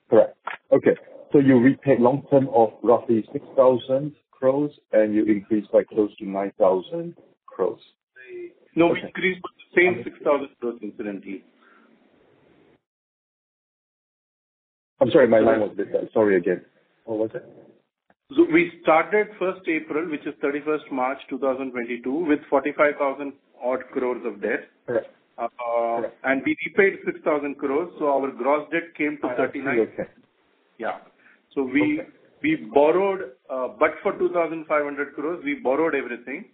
Correct. Okay. You repaid long-term of roughly 6,000 crores and you increased by close to 9,000 crores. No. Increased same 6,000 crores incidentally. I'm sorry, my line was a bit bad. Sorry again. What was that? We started first April, which is 31st March 2022, with 45,000 odd crores of debt. Correct. we repaid 6,000 crores, so our gross debt came to thirty-nine-. I see. Okay. Yeah. Okay. We borrowed, but for 2,500 crores we borrowed everything,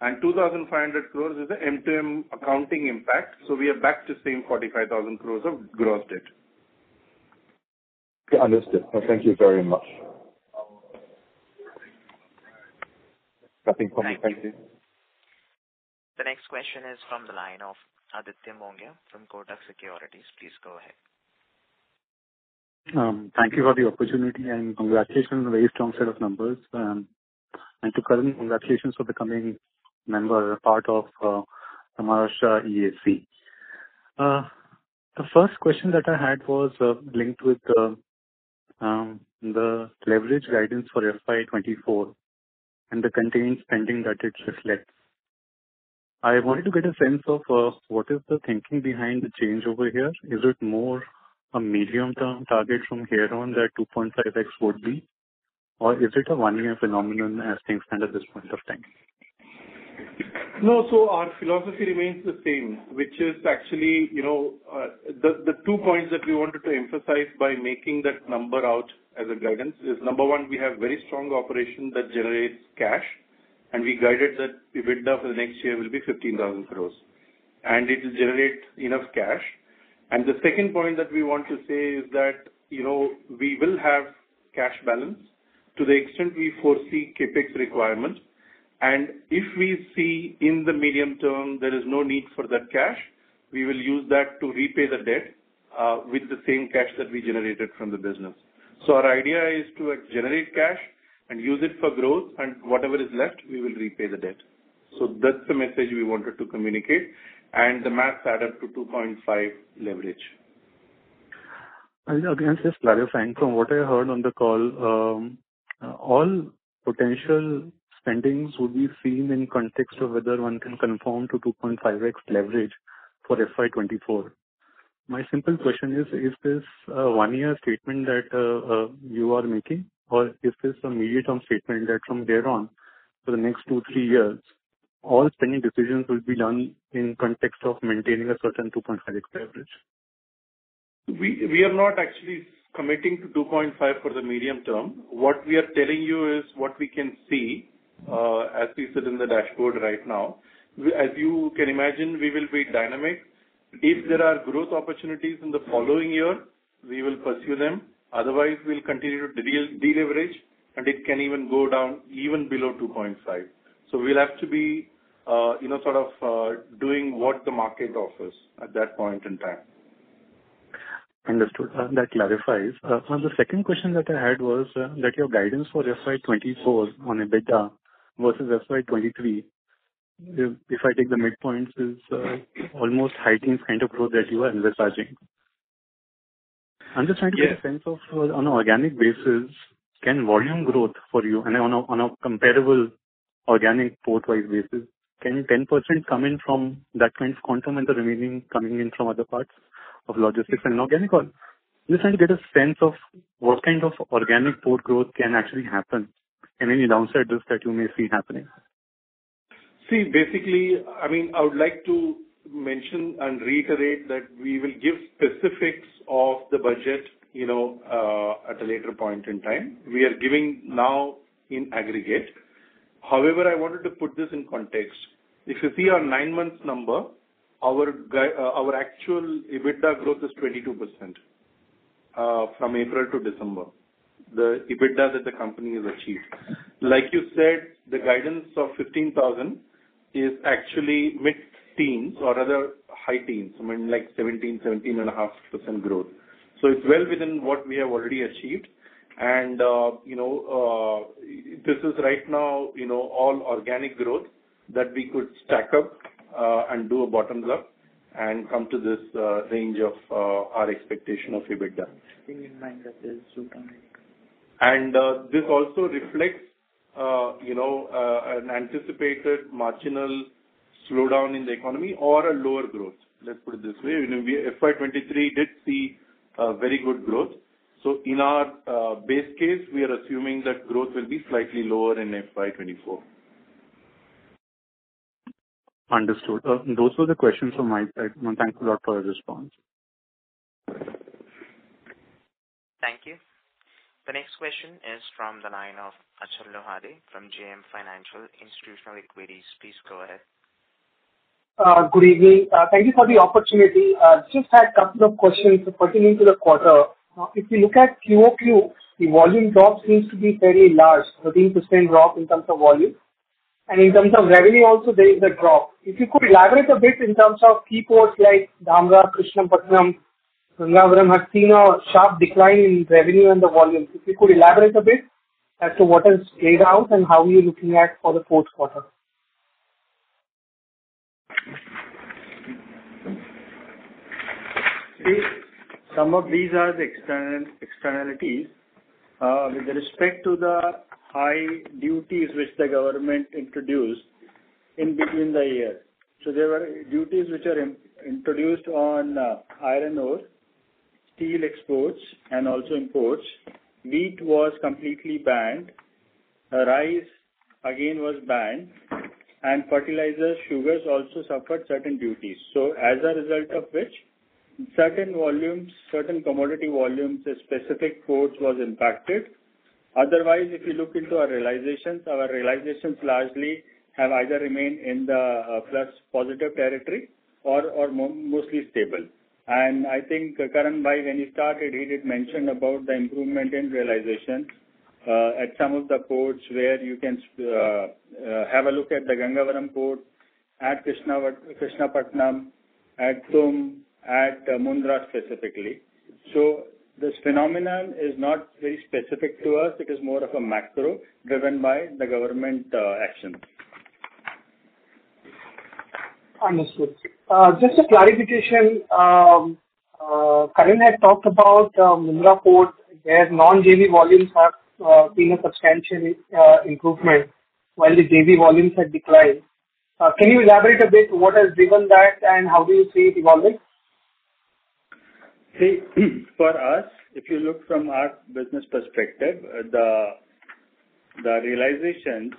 and 2,500 crores is the MTM accounting impact. We are back to same 45,000 crores of gross debt. Understood. Thank you very much. Nothing from me. Thank you. Thank you. The next question is from the line of Aditya Mongia from Kotak Securities. Please go ahead. Thank you for the opportunity, congratulations on a very strong set of numbers. To Karan, congratulations for becoming member, part of the Maharashtra EFC. The first question that I had was linked with the leverage guidance for FY 2024 and the contained spending that it reflects. I wanted to get a sense of what is the thinking behind the change over here. Is it more a medium-term target from here on that 2.5x would be? Is it a one-year phenomenon as things stand at this point of time? No. Our philosophy remains the same, which is actually, you know, the two points that we wanted to emphasize by making that number out as a guidance is, number one, we have very strong operation that generates cash, and we guided that EBITDA for the next year will be 15,000 crore, and it will generate enough cash. The second point that we want to say is that, you know, we will have cash balance to the extent we foresee CapEx requirement. If we see in the medium term there is no need for that cash, we will use that to repay the debt with the same cash that we generated from the business. Our idea is to generate cash and use it for growth, and whatever is left, we will repay the debt. That's the message we wanted to communicate. The math added to 2.5x leverage. Again, just clarifying, from what I heard on the call, all potential spendings will be seen in context of whether one can conform to 2.5x leverage for FY 2024. My simple question is this a one-year statement that you are making, or is this a medium-term statement that from there on, for the next two, three years, all spending decisions will be done in context of maintaining a certain 2.5x leverage? We are not actually committing to 2.5 for the medium term. What we are telling you is what we can see as we sit in the dashboard right now. We, as you can imagine, we will be dynamic. If there are growth opportunities in the following year, we will pursue them. Otherwise, we'll continue to deleverage, and it can even go down even below 2.5. We'll have to be, you know, doing what the market offers at that point in time. Understood. That clarifies. The second question that I had was, that your guidance for FY 2024 on EBITDA versus FY 2023, if I take the midpoints is almost high teens kind of growth that you are envisaging. I'm just trying to. Yes. Get a sense of, on organic basis, can volume growth for you and on a, on a comparable organic portwide basis, can 10% come in from that point, quantum and the remaining coming in from other parts of logistics and organic? Just trying to get a sense of what kind of organic port growth can actually happen and any downside risk that you may see happening. Basically, I mean, I would like to mention and reiterate that we will give specifics of the budget, you know, at a later point in time. We are giving now in aggregate. I wanted to put this in context. If you see our nine-month number, our actual EBITDA growth is 22% from April to December. The EBITDA that the company has achieved. Like you said, the guidance of 15,000 is actually mid-teens or rather high teens. I mean, like 17.5% growth. It's well within what we have already achieved. You know, this is right now, you know, all organic growth that we could stack up and do a bottom-up and come to this range of our expectation of EBITDA. Keeping in mind that there's 200. This also reflects, you know, an anticipated marginal slowdown in the economy or a lower growth. Let's put it this way. You know, FY 2023 did see a very good growth. In our base case, we are assuming that growth will be slightly lower in FY 2024. Understood. Those were the questions from my side. Thank you a lot for your response. Thank you. The next question is from the line of Achal Lohade from JM Financial Institutional Securities. Please go ahead. Good evening. Thank you for the opportunity. Just had couple of questions pertaining to the quarter. If you look at QoQ, the volume drops seems to be very large, 13% drop in terms of volume. In terms of revenue also there is a drop. If you could elaborate a bit in terms of key ports like Dhamra, Krishnapatnam, Gangavaram have seen a sharp decline in revenue and the volumes. If you could elaborate a bit as to what has played out and how you're looking at for the fourth quarter. Some of these are the externalities with respect to the high duties which the government introduced in between the year. There were duties which are introduced on iron ore, steel exports and also imports. Meat was completely banned. Rice again was banned. Fertilizers, sugars also suffered certain duties. As a result of which, certain volumes, certain commodity volumes to specific ports was impacted. Otherwise, if you look into our realizations, our realizations largely have either remained in the plus positive territory or mostly stable. I think Karan Adani, when he started, he did mention about the improvement in realization at some of the ports where you can have a look at the Gangavaram port, at Krishnapatnam, at Tumb, at Mundra specifically. This phenomenon is not very specific to us. It is more of a macro driven by the government, action. Understood. Just a clarification. Karan had talked about Mundra Port, where non-JV volumes have seen a substantial improvement while the JV volumes had declined. Can you elaborate a bit what has driven that and how do you see it evolving? For us, if you look from our business perspective, the realizations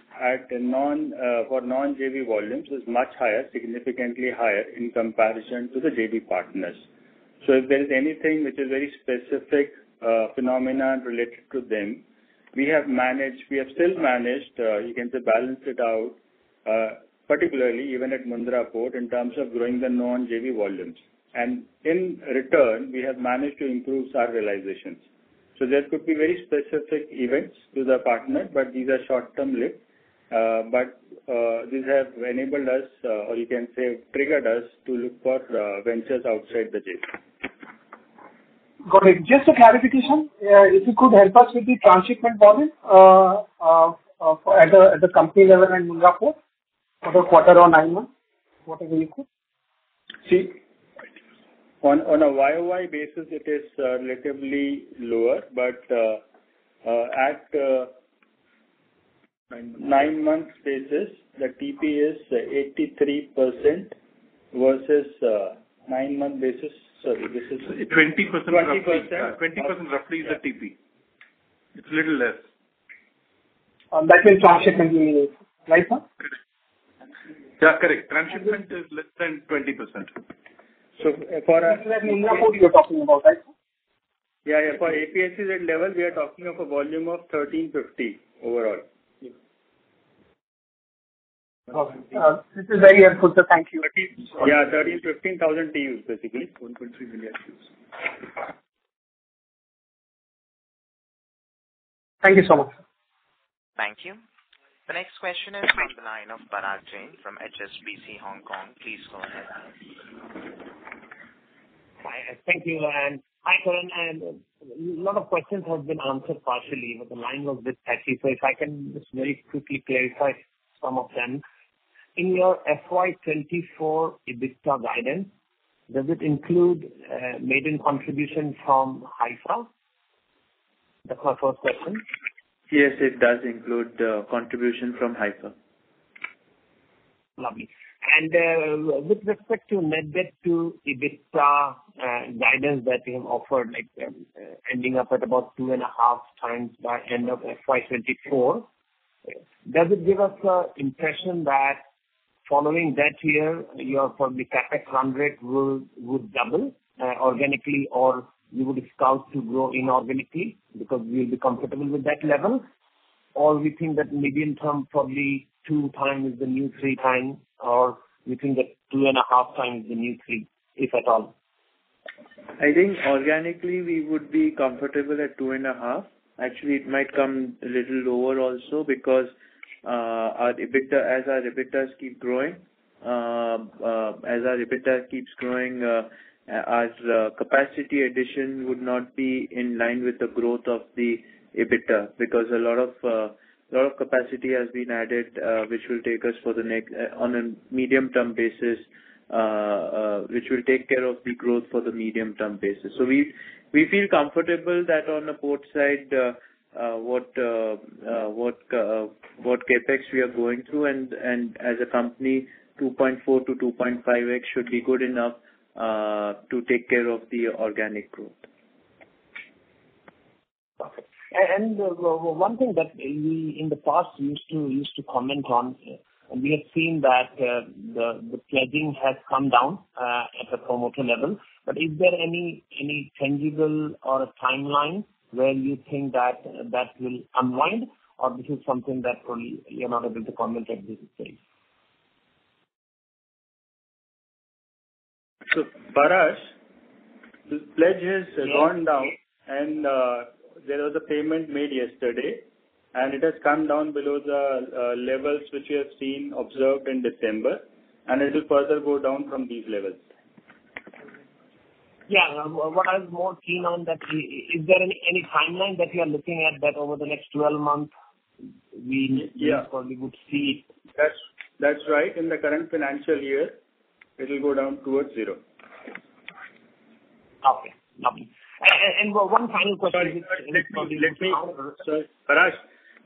for non-JV volumes was much higher, significantly higher in comparison to the JV partners. If there is anything which is very specific phenomenon related to them, we have managed, we have still managed, you can say balanced it out, particularly even at Mundra Port in terms of growing the non-JV volumes. In return we have managed to improve our realizations. There could be very specific events to the partner, but these are short-term lived. But these have enabled us, or you can say triggered us to look for ventures outside the JV. Got it. Just a clarification. If you could help us with the transshipment volume, at the company level in Mundra Port for the quarter or nine months, whatever you could. On a YOY basis it is relatively lower, but at nine months basis, the TP is 83% versus nine-month basis. Sorry. 20% roughly. 20%. 20% roughly is the TP. It's a little less. On that end transshipment we use right now? Yeah, correct. Transshipment is less than 20%. So for- This is at Mundra Port you're talking about, right? Yeah, yeah. For APSEZ level, we are talking of a volume of 1,350 overall. Okay. This is very helpful, sir. Thank you. Yeah, 13, 15,000 TEUs, basically. 1.3 million TEUs. Thank you so much. Thank you. The next question is from the line of Parash Jain from HSBC Hong Kong. Please go ahead. Hi. Thank you. Hi, Karan. Lot of questions have been answered partially, but the line was a bit patchy, so if I can just very quickly clarify some of them. In your FY 2024 EBITDA guidance, does it include maiden contribution from Haifa? That's my first question. Yes, it does include, contribution from Haifa Port. Lovely. With respect to net debt to EBITDA, guidance that you have offered, like, ending up at about 2.5 times by end of FY 2024, does it give us a impression that following that year, your probably CapEx run rate would double, organically or you would scout to grow inorganically because we'll be comfortable with that level? We think that medium term probably 2 times the new 3 times or you think that 2.5 times the new 3, if at all. I think organically we would be comfortable at 2.5x. Actually, it might come a little lower also because our EBITDA, as our EBITDA keeps growing, as capacity addition would not be in line with the growth of the EBITDA because a lot of capacity has been added, which will take us for the next on a medium-term basis, which will take care of the growth for the medium-term basis. We feel comfortable that on the port side, what CapEx we are going through and as a company, 2.4x-2.5x should be good enough to take care of the organic growth. One thing that we in the past used to comment on, and we have seen that, the pledging has come down at the promoter level. Is there any tangible or a timeline where you think that that will unwind, or this is something that you're not able to comment at this stage? Parag, the pledge has gone down. There was a payment made yesterday. It has come down below the levels which we have seen observed in December. It will further go down from these levels. Yeah. What I was more keen on that is there any timeline that you are looking at that over the next 12 months. Yeah. probably would see. That's right. In the current financial year it'll go down towards zero. Okay. Lovely. One final question- Sorry. Let me Sorry. Parash,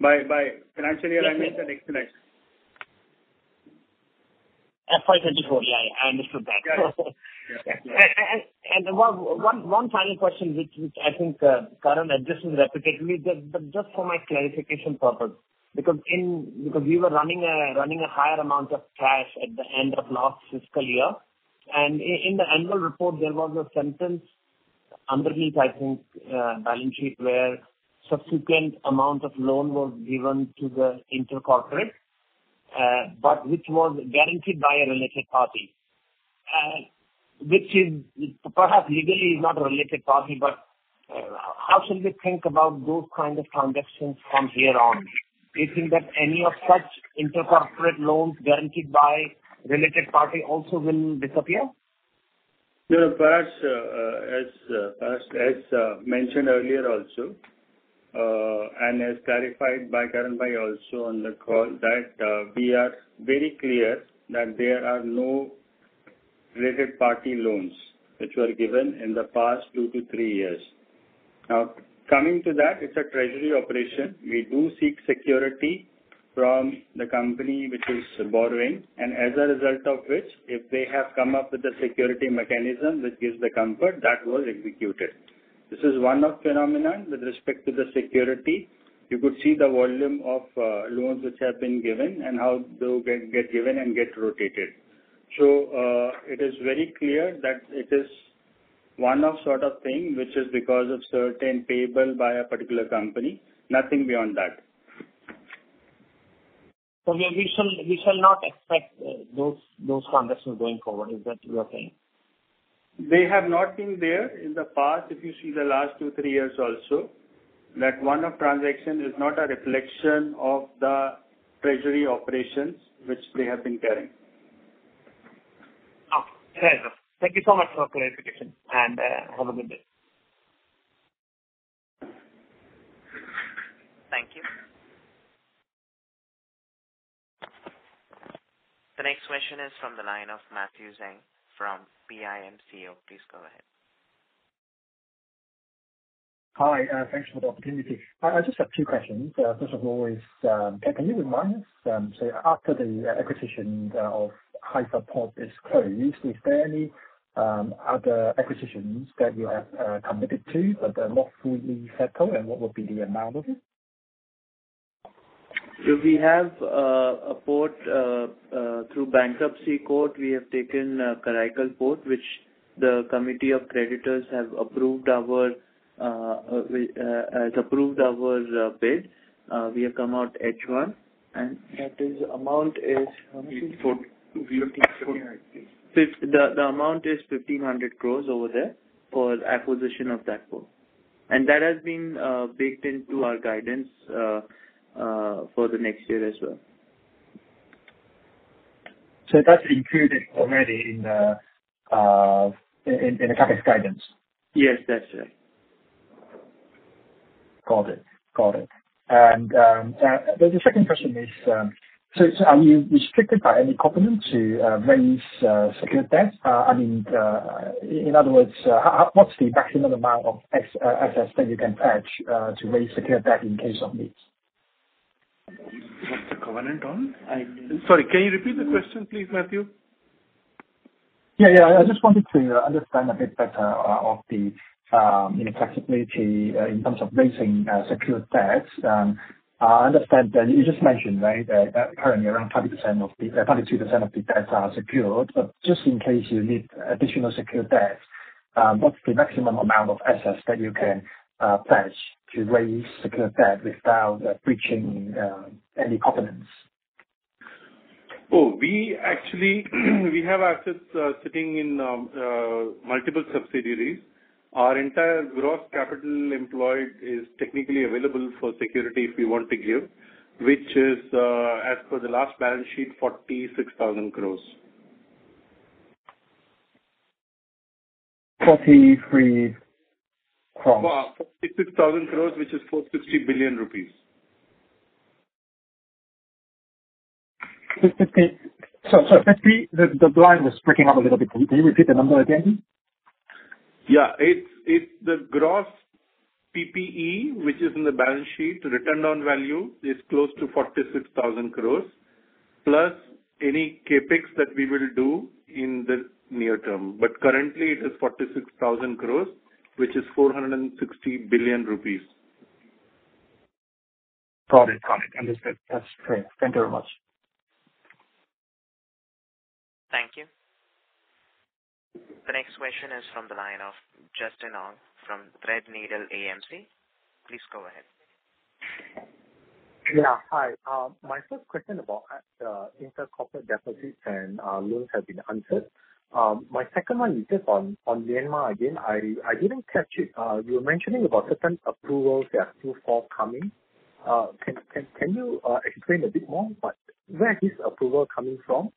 by financial year, I meant the next financial year. FY 2024. Yeah, I understood that. Yeah. Yeah. One final question which I think Karan addressed this repetitively but just for my clarification purpose. We were running a higher amount of cash at the end of last fiscal year, and in the annual report there was a sentence underneath, I think, balance sheet where subsequent amount of loan was given to the intercorporate, but which was guaranteed by a related party, which is perhaps legally is not a related party, but how should we think about those kind of transactions from here on? Do you think that any of such intercorporate loans guaranteed by related party also will disappear? Parash, as mentioned earlier also, and as clarified by Karan Adani also on the call that, we are very clear that there are no related party loans which were given in the past two to three years. Coming to that, it's a treasury operation. We do seek security from the company which is borrowing, and as a result of which, if they have come up with a security mechanism which gives the comfort, that was executed. This is one-off phenomenon with respect to the security. You could see the volume of loans which have been given and how they'll get given and get rotated. It is very clear that it is one-off sort of thing, which is because of certain payable by a particular company, nothing beyond that. We shall not expect those transactions going forward. Is that your thing? They have not been there in the past, if you see the last two, three years also. That one-off transaction is not a reflection of the treasury operations which we have been carrying. Okay. Thank you so much for clarification, and have a good day. Thank you. The next question is from the line of Matthew Zheng from PIMCO. Please go ahead. Hi, thanks for the opportunity. I just have two questions. First of all is, can you remind us, after the acquisition of Haifa Port is closed, is there any other acquisitions that you have committed to but are not fully settled, and what would be the amount of it? We have a port. Through bankruptcy court, we have taken Karaikal Port, which the committee of creditors have approved our bid. We have come out H1, and the amount is 1,500 crores over there for acquisition of that port. That has been baked into our guidance for the next year as well. That's included already in the current guidance? Yes. That's it. Got it. The second question is, are you restricted by any covenant to raise secured debt? I mean, how much is the maximum amount of assets that you can pledge to raise secured debt in case of needs? What's the covenant on? Sorry, can you repeat the question, please, Matthew? Yeah, yeah. I just wanted to understand a bit better of the, you know, flexibility in terms of raising secured debts. I understand that you just mentioned, right, that currently around 22% of the debts are secured. Just in case you need additional secured debts, what's the maximum amount of assets that you can pledge to raise secured debt without breaching any covenants? We actually have assets sitting in multiple subsidiaries. Our entire gross capital employed is technically available for security if we want to give, which is as per the last balance sheet, 46,000 crores. 43 crores. 46,000 crores, which is 460 billion rupees. 50... The, the line was breaking up a little bit. Can you repeat the number again? Yeah. It's the gross PPE, which is in the balance sheet. Return on value is close to 46,000 crores, plus any CapEx that we will do in the near term. Currently it is 46,000 crores, which is 460 billion rupees. Got it. Got it. Understood. That's great. Thank you very much. Thank you. The next question is from the line of Justin Ong from Threadneedle AMC. Please go ahead. Yeah. Hi. My first question about intercorporate deposits and loans have been answered. My second one is just on Myanmar again. I didn't catch it. You were mentioning about certain approvals that are still forthcoming. Can you explain a bit more about where this approval coming from?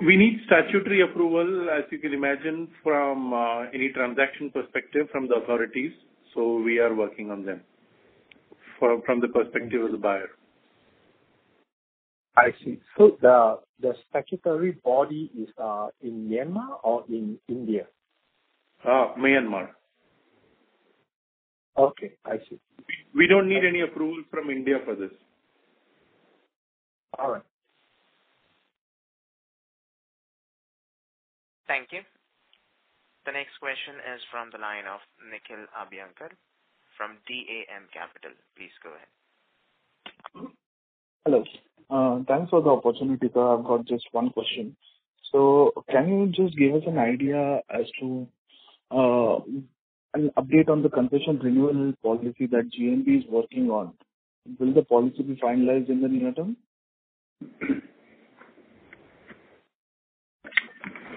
We need statutory approval, as you can imagine, from any transaction perspective from the authorities. We are working on them from the perspective of the buyer. I see. The statutory body is in Myanmar or in India? Myanmar. Okay. I see. We don't need any approval from India for this. All right. Thank you. The next question is from the line of Nikhil Abhyankar from DAM Capital. Please go ahead. Hello. Thanks for the opportunity, sir. I've got just one question. Can you just give us an idea as to, an update on the concession renewal policy that GMB is working on? Will the policy be finalized in the near term?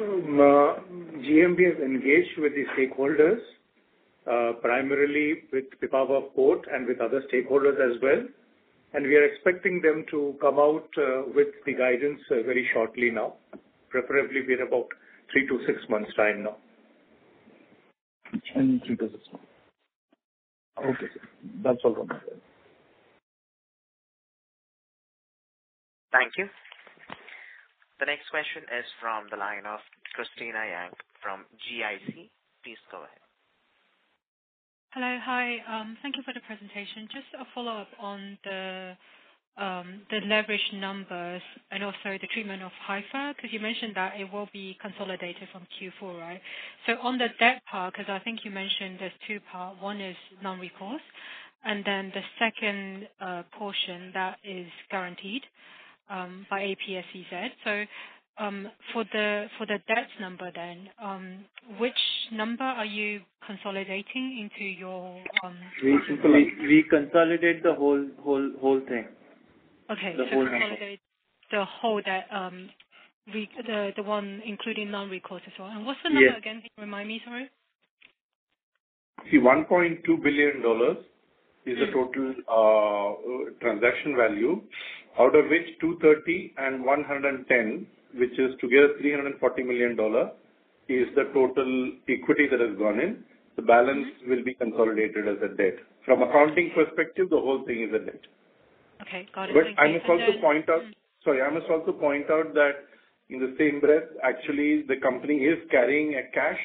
GMB is engaged with the stakeholders, primarily with Pipavav Port and with other stakeholders as well. We are expecting them to come out with the guidance very shortly now, preferably within about three to six months' time now. Between three to six months. Okay, sir. That's all from my side. Thank you. The next question is from the line of Christina Yang from GIC. Please go ahead. Hello. Hi. Thank you for the presentation. Just a follow-up on the leverage numbers and also the treatment of Haifa, 'cause you mentioned that it will be consolidated from Q4, right? On the debt part, 'cause I think you mentioned there's two part. One is non-recourse, and then the second portion that is guaranteed by APSEZ. For the debt number then, which number are you consolidating into your? We consolidate- We consolidate the whole thing. Okay. The whole thing. You consolidate the whole debt. The one including non-recourse as well. Yes. What's the number again? Can you remind me? Sorry. $1.2 billion is the total transaction value, out of which $230 and $110, which is together $340 million, is the total equity that has gone in. The balance will be consolidated as a debt. From accounting perspective, the whole thing is a debt. Okay. Got it. I must also point out. Sorry. I must also point out that in the same breath, actually the company is carrying a cash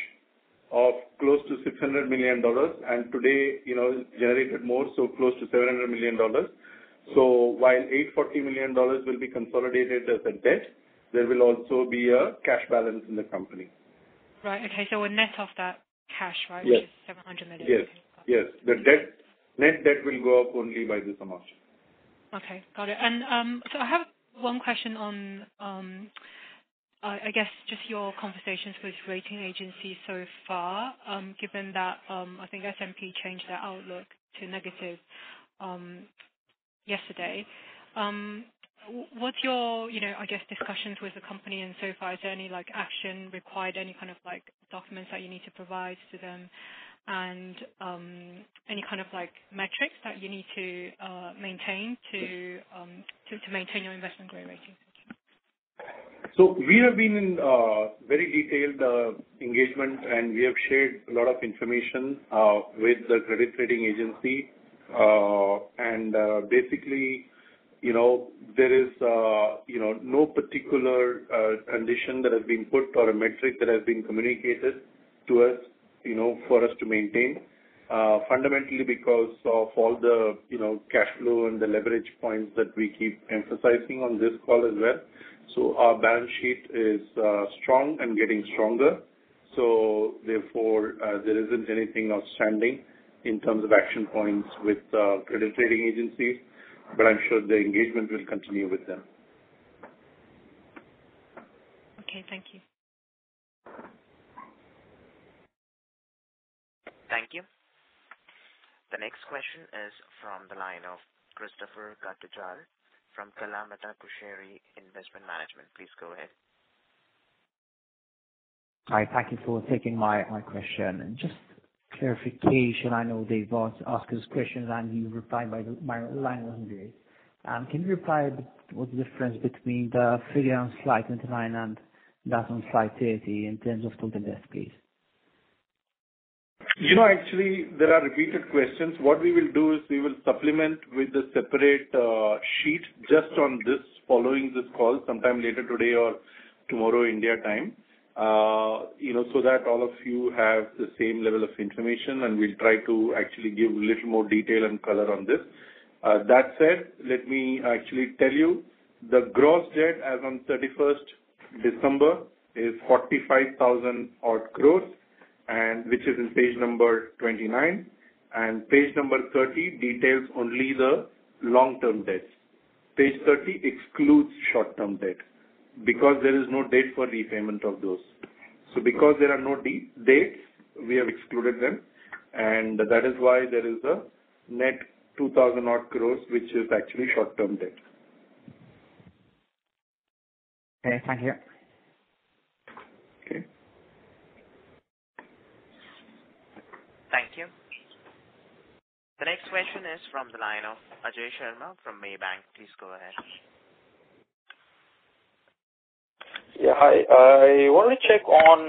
of close to $600 million. Today, you know, it's generated more, so close to $700 million. While $840 million will be consolidated as a debt, there will also be a cash balance in the company. Right. Okay. We'll net off that cash, right? Yes. Which is $700 million. Yes. Yes. The net debt will go up only by this amount. Okay. Got it. I have one question on I guess just your conversations with rating agencies so far, given that I think S&P changed their outlook to negative yesterday. What's your, you know, I guess, discussions with the company and so far, is there any, like, action required, any kind of, like, documents that you need to provide to them and any kind of, like, metrics that you need to maintain to maintain your investment grade rating? Thank you. We have been in very detailed engagement, and we have shared a lot of information with the credit rating agency. Basically, you know, there is, you know, no particular condition that has been put or a metric that has been communicated to us, you know, for us to maintain fundamentally because of all the, you know, cash flow and the leverage points that we keep emphasizing on this call as well. Our balance sheet is strong and getting stronger. Therefore, there isn't anything outstanding in terms of action points with the credit rating agencies, but I'm sure the engagement will continue with them. Okay. Thank you. Thank you. The next question is from the line of Christopher Guttilla from MFS Investment Management. Please go ahead. Hi. Thank you for taking my question. Just clarification, I know Dave Os asked his questions and you replied, My line wasn't great. Can you reply what's the difference between the figure on slide 29 and that on slide 30 in terms of total debt, please? You know, actually there are repeated questions. What we will do is we will supplement with a separate sheet just on this following this call sometime later today or tomorrow India time. You know, so that all of you have the same level of information, and we'll try to actually give a little more detail and color on this. That said, let me actually tell you. The gross debt as on 31st December is 45,000 crores odd, which is in page number 29. Page number 30 details only the long-term debts. Page 30 excludes short-term debt because there is no date for repayment of those. Because there are no dates, we have excluded them. That is why there is a net 2,000 crores odd, which is actually short-term debt. Okay. Thank you. Okay. Thank you. The next question is from the line of Ajay Sharma from Maybank. Please go ahead. Yeah. Hi. I wanted to check on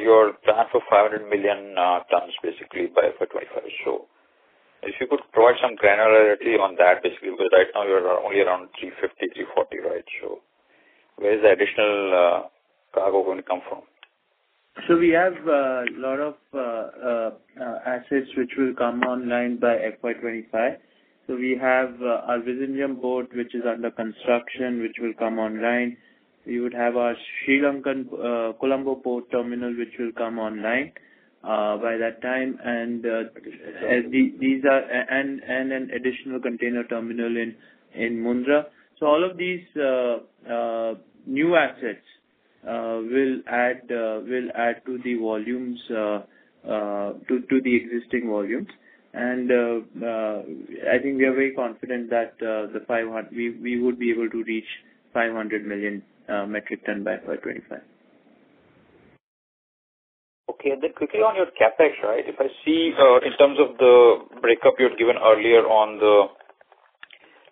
your plan for 500 million tons basically by FY 2025. If you could provide some granularity on that basically because right now you're only around 350, 340, right? Where is the additional cargo gonna come from? We have a lot of assets which will come online by FY 2025. We have our Vizag port which is under construction which will come online. We would have our Sri Lankan Colombo port terminal which will come online by that time. These are... And an additional container terminal in Mundra. All of these new assets will add to the volumes to the existing volumes. I think we are very confident that we would be able to reach 500 million metric ton by FY 2025. Okay. Quickly on your CapEx, right? If I see in terms of the breakup you had given earlier on the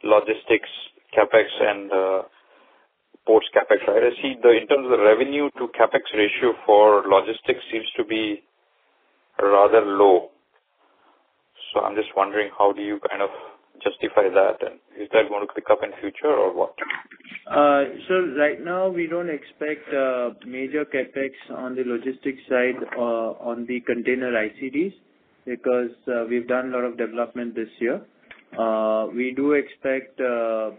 logistics CapEx and ports CapEx, right? I see the in terms of revenue to CapEx ratio for logistics seems to be rather low. I'm just wondering how do you kind of justify that, and is that gonna pick up in future or what? Right now we don't expect major CapEx on the logistics side on the container ICDs because we've done a lot of development this year. We do expect CapEx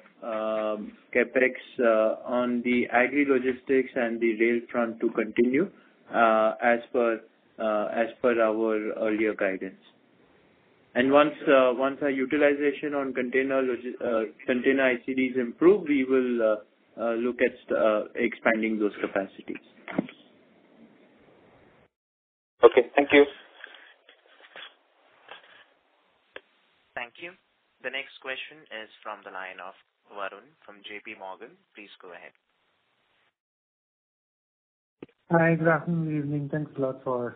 on the agri logistics and the rail front to continue as per our earlier guidance. Once our utilization on container ICDs improve, we will look at expanding those capacities. Okay. Thank you. Thank you. The next question is from the line of Varun from JPMorgan. Please go ahead. Hi. Good afternoon, evening. Thanks a lot for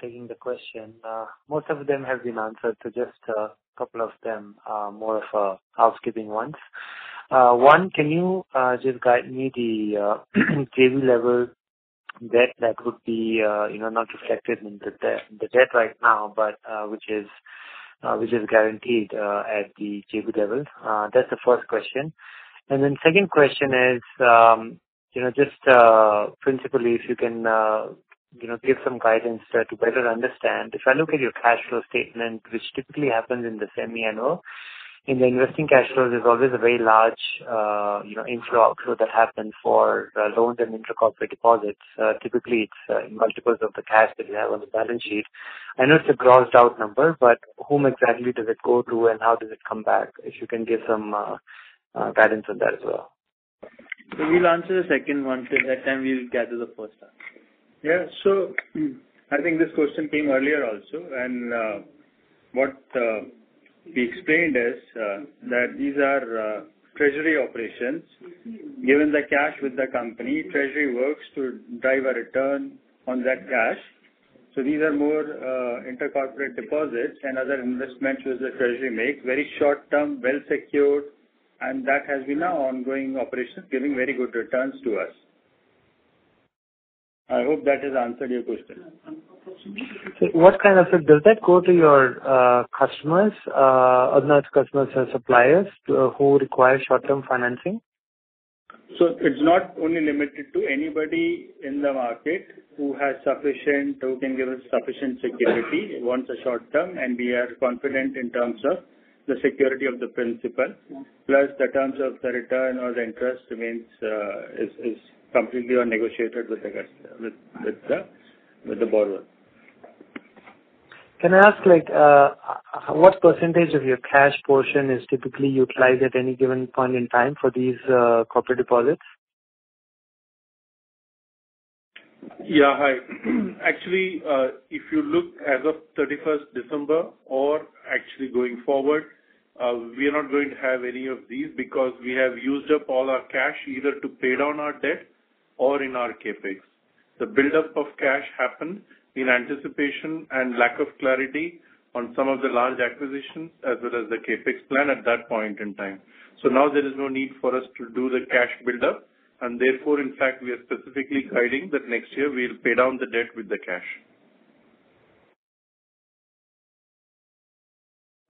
taking the question. Most of them have been answered, so just a couple of them are more of housekeeping ones. One, can you just guide me the JV level debt that would be, you know, not reflected in the debt right now, but which is guaranteed at the JV level? That's the first question. Second question is, you know, just principally if you can, you know, give some guidance to better understand. If I look at your cash flow statement, which typically happens in the semi-annual. In the investing cash flows, there's always a very large, you know, inflow/outflow that happen for, loans and Inter-Corporate Deposits. Typically it's, in multiples of the cash that you have on the balance sheet. I know it's a crossed out number, but whom exactly does it go to and how does it come back? If you can give some guidance on that as well. We'll answer the second one. Till that time, we will gather the first one. I think this question came earlier also, and what we explained is that these are treasury operations. Given the cash with the company, treasury works to drive a return on that cash. These are more intra-corporate deposits and other investments which the treasury make. Very short-term, well-secured, and that has been our ongoing operation, giving very good returns to us. I hope that has answered your question. Does that go to your customers, Adani's customers and suppliers, who require short-term financing? It's not only limited to anybody in the market who can give us sufficient security, wants a short-term, and we are confident in terms of the security of the principal, plus the terms of the return or the interest remains, is completely negotiated with the borrower. Can I ask, like, what % of your cash portion is typically utilized at any given point in time for these, corporate deposits? Yeah. Hi. Actually, if you look as of 31st December or actually going forward, we are not going to have any of these because we have used up all our cash either to pay down our debt or in our CapEx. The buildup of cash happened in anticipation and lack of clarity on some of the large acquisitions as well as the CapEx plan at that point in time. Now there is no need for us to do the cash buildup and therefore, in fact, we are specifically guiding that next year we'll pay down the debt with the cash.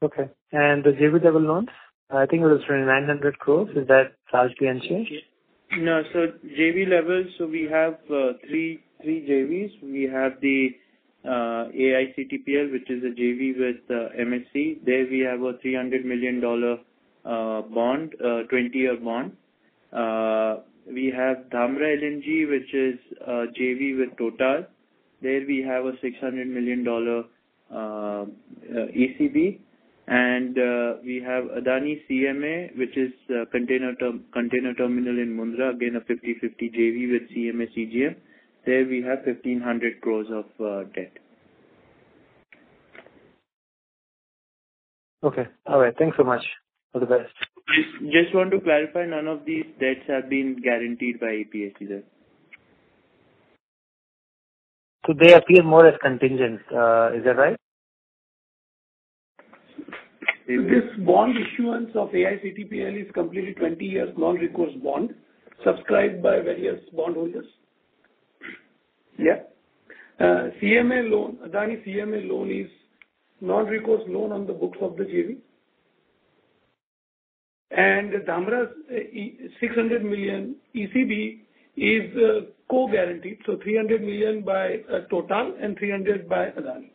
Okay. The JV-level loans, I think it was around 900 crores. Is that largely unchanged? No. JV levels, we have three JVs. We have AICTPL, which is a JV with MSC. There we have a $300 million bond, a 20-year bond. We have Dhamra LNG, which is a JV with Total. There we have a $600 million ECB. We have Adani CMA, which is a container terminal in Mundra, again, a 50/50 JV with CMA CGM. There we have 1,500 crores of debt. Okay. All right. Thanks so much. All the best. Just want to clarify, none of these debts have been guaranteed by APSEZ. They appear more as contingent. Is that right? This bond issuance of AICTPL is completely 20 years non-recourse bond subscribed by various bondholders. Yeah. CMA loan, Adani CMA loan is non-recourse loan on the books of the JV. Dhamra's $600 million ECB is co-guaranteed, so $300 million by Total and $300 million by Adani.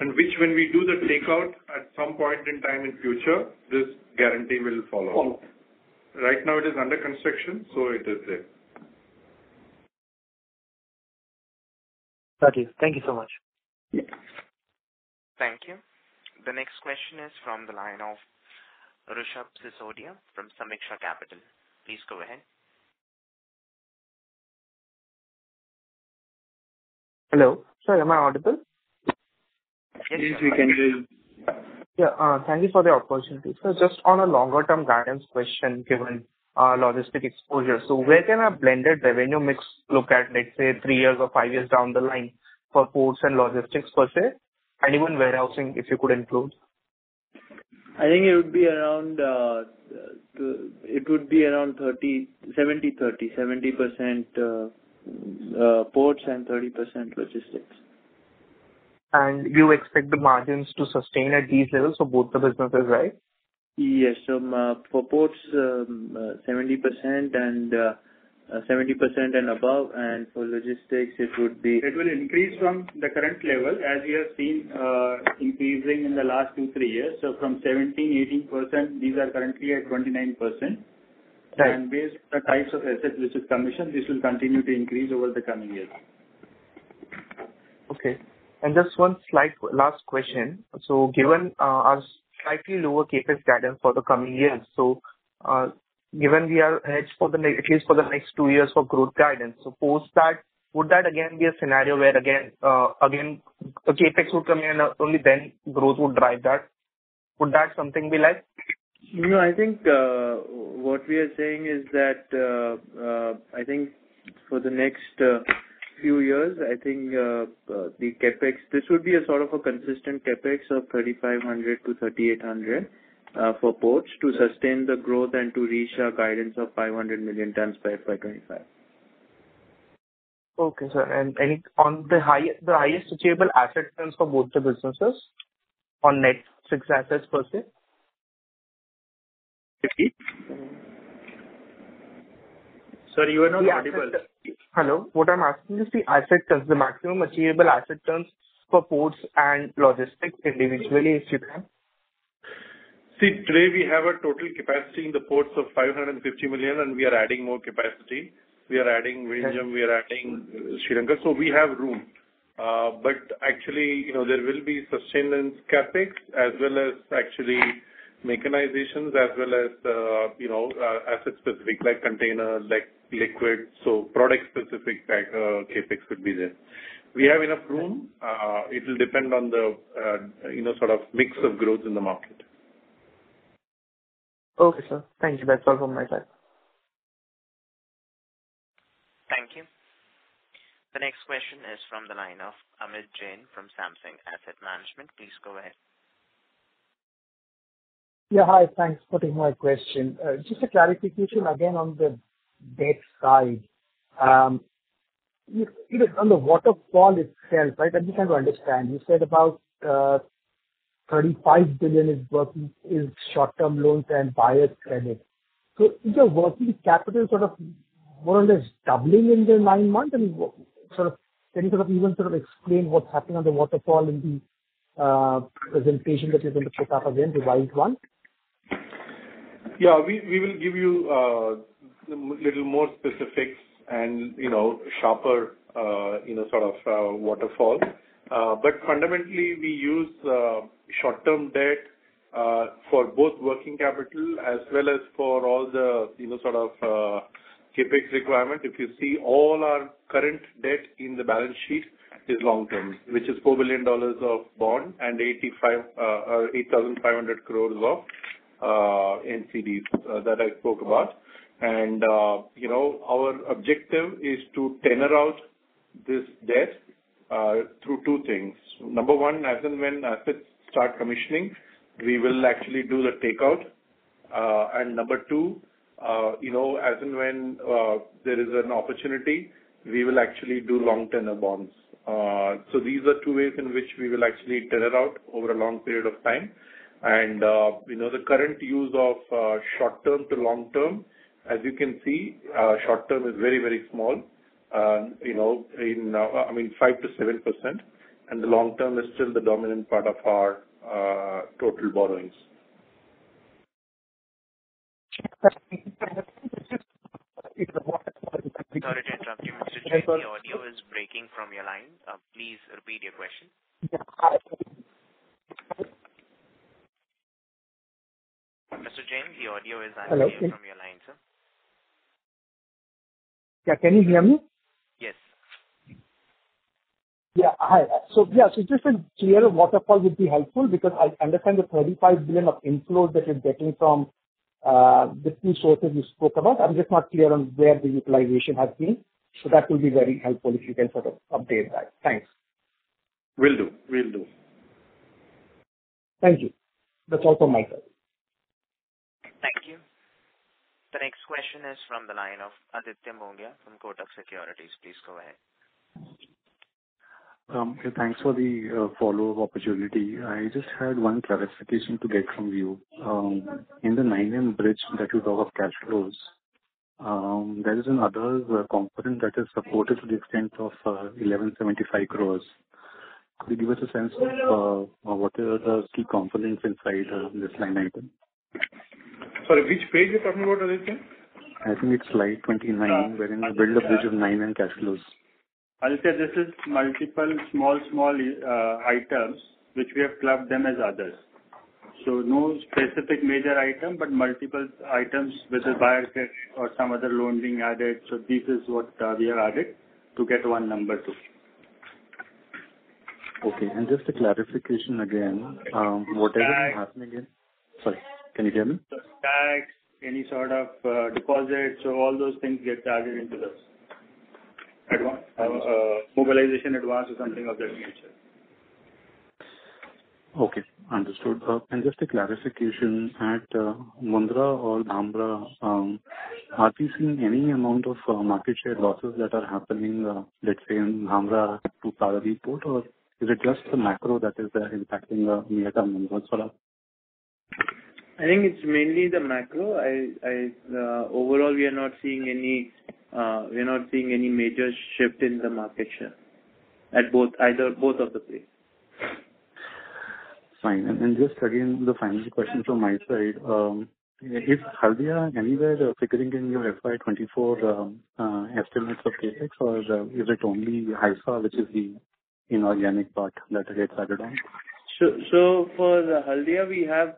Which when we do the takeout at some point in time in future, this guarantee will follow. Follow. Right now it is under construction, so it is there. Got you. Thank you so much. Yeah. Thank you. The next question is from the line of Rijul Sawhney from Sameeksha Capital. Please go ahead. Hello. Sir, am I audible? Please we can hear you. Yeah. thank you for the opportunity. Just on a longer term guidance question, given logistic exposure. Where can a blended revenue mix look at, let's say, three years or five years down the line for ports and logistics per se, and even warehousing, if you could include? I think it would be around 70-30. 70% ports and 30% logistics. You expect the margins to sustain at these levels for both the businesses, right? Yes. For ports, 70% and 70% and above, and for logistics it would be. It will increase from the current level, as you have seen, increasing in the last two, three years. From 17%-18%, these are currently at 29%. Right. Based on the types of assets which is commissioned, this will continue to increase over the coming years. Okay. Just one slight last question. Given a slightly lower CapEx guidance for the coming years, given we are hedged for the at least for the next two years for growth guidance, post that, would that again be a scenario where the CapEx would come in and only then growth would drive that? Would that something be like? No, I think, what we are saying is that, I think for the next few years, I think, the CapEx, this would be a sort of a consistent CapEx of 3,500-3,800, for ports to sustain the growth and to reach our guidance of 500 million tons by 2025. Okay, sir. On the highest sustainable asset terms for both the businesses on net fixed assets per se? Sir, you are not audible. Hello. What I'm asking is the asset terms, the maximum achievable asset terms for ports and logistics individually, if you can. See, today we have a total capacity in the ports of 550 million, and we are adding more capacity. We are adding Vizag, we are adding Sri Lanka, so we have room. Actually, you know, there will be sustenance CapEx as well as actually mechanizations as well as, you know, asset specific, like container, like liquid. Product specific CapEx could be there. We have enough room. It will depend on the, you know, sort of mix of growth in the market. Okay, sir. Thank you. That's all from my side. Thank you. The next question is from the line of Amit Jain from Samsung Asset Management. Please go ahead. Yeah, hi. Thanks for taking my question. Just a clarification again on the debt side. You know, on the waterfall itself, right, that we can understand. You said about $35 billion is short-term loans and buyer's credit. Is your working capital sort of more or less doubling in the nine months? Sort of can you sort of even sort of explain what's happening on the waterfall in the presentation that you're going to put up again, the revised one? Yeah. We will give you little more specifics and, you know, sharper, you know, sort of, waterfall. Fundamentally, we use short-term debt for both working capital as well as for all the, you know, sort of, CapEx requirement. If you see all our current debt in the balance sheet is long term, which is $4 billion of bond and 8,500 crores of NCD that I spoke about. Our objective is to tenor out this debt through two things. Number one, as and when assets start commissioning, we will actually do the takeout. Number two, you know, as and when there is an opportunity, we will actually do long tenor bonds. These are two ways in which we will actually tenor out over a long period of time. You know, the current use of short-term to long-term, as you can see, short-term is very, very small. You know, I mean, 5%-7%, and the long-term is still the dominant part of our total borrowings. Sorry to interrupt you, Mr. Jain. Hi, sir. The audio is breaking from your line. Please repeat your question. Yeah. Hi. Mr. Jain, the audio is- Hello. unclear from your line, sir. Yeah. Can you hear me? Yes. Yeah. Hi. Yeah, so just a clearer waterfall would be helpful because I understand the $35 billion of inflows that you're getting from, the three sources you spoke about. I'm just not clear on where the utilization has been. That will be very helpful if you can sort of update that. Thanks. Will do. Will do. Thank you. That's all from my side. Thank you. The next question is from the line of Aditya Monga from Kotak Securities. Please go ahead. Yeah, thanks for the follow-up opportunity. I just had one clarification to get from you. In the 9 million bridge that you talk of cash flows, there is an other component that is supported to the extent of 1,175 crores. Could you give us a sense of what are the key components inside this line item? Sorry, which page you're talking about, Aditya? I think it's slide 29. Okay. Where in the build-up bridge of 9 in cash flows. I'll say this is multiple small items which we have clubbed them as others. No specific major item, but multiple items whether buyer credit or some other loan being added. This is what we have added to get one number two. Okay. Just a clarification again. What is happening? Tax. Sorry, can you hear me? The tax, any sort of, deposits. All those things get added into this. Advance, mobilization advance or something of that nature. Okay, understood. Just a clarification. At Mundra or Dhamra, are we seeing any amount of market share losses that are happening, let's say in Dhamra to Paradip Port, or is it just the macro that is there impacting near-term months for that? I think it's mainly the macro. I overall, we are not seeing any major shift in the market share either both of the places. Fine. Just again, the final question from my side. Is Haldia anywhere figuring in your FY 2024 estimates of CapEx, or is it only Haifa, which is the inorganic part that you have started on? For Haldia, we have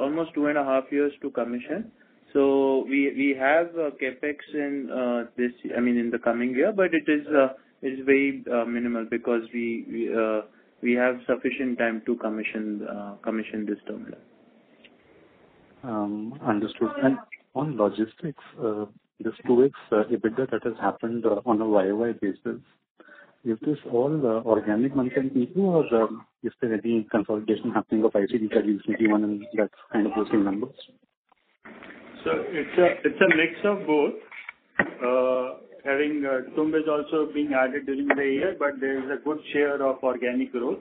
almost two and a half years to commission. We have CapEx in this, I mean, in the coming year, but it is, it's very minimal because we have sufficient time to commission this terminal. understood. On logistics, this two weeks EBITDA that has happened on a YoY basis, is this all organic month-on-month, or is there any consolidation happening of ICT that is maybe one and that's kind of boosting numbers? It's a, it's a mix of both. Having Tumb is also being added during the year, but there is a good share of organic growth,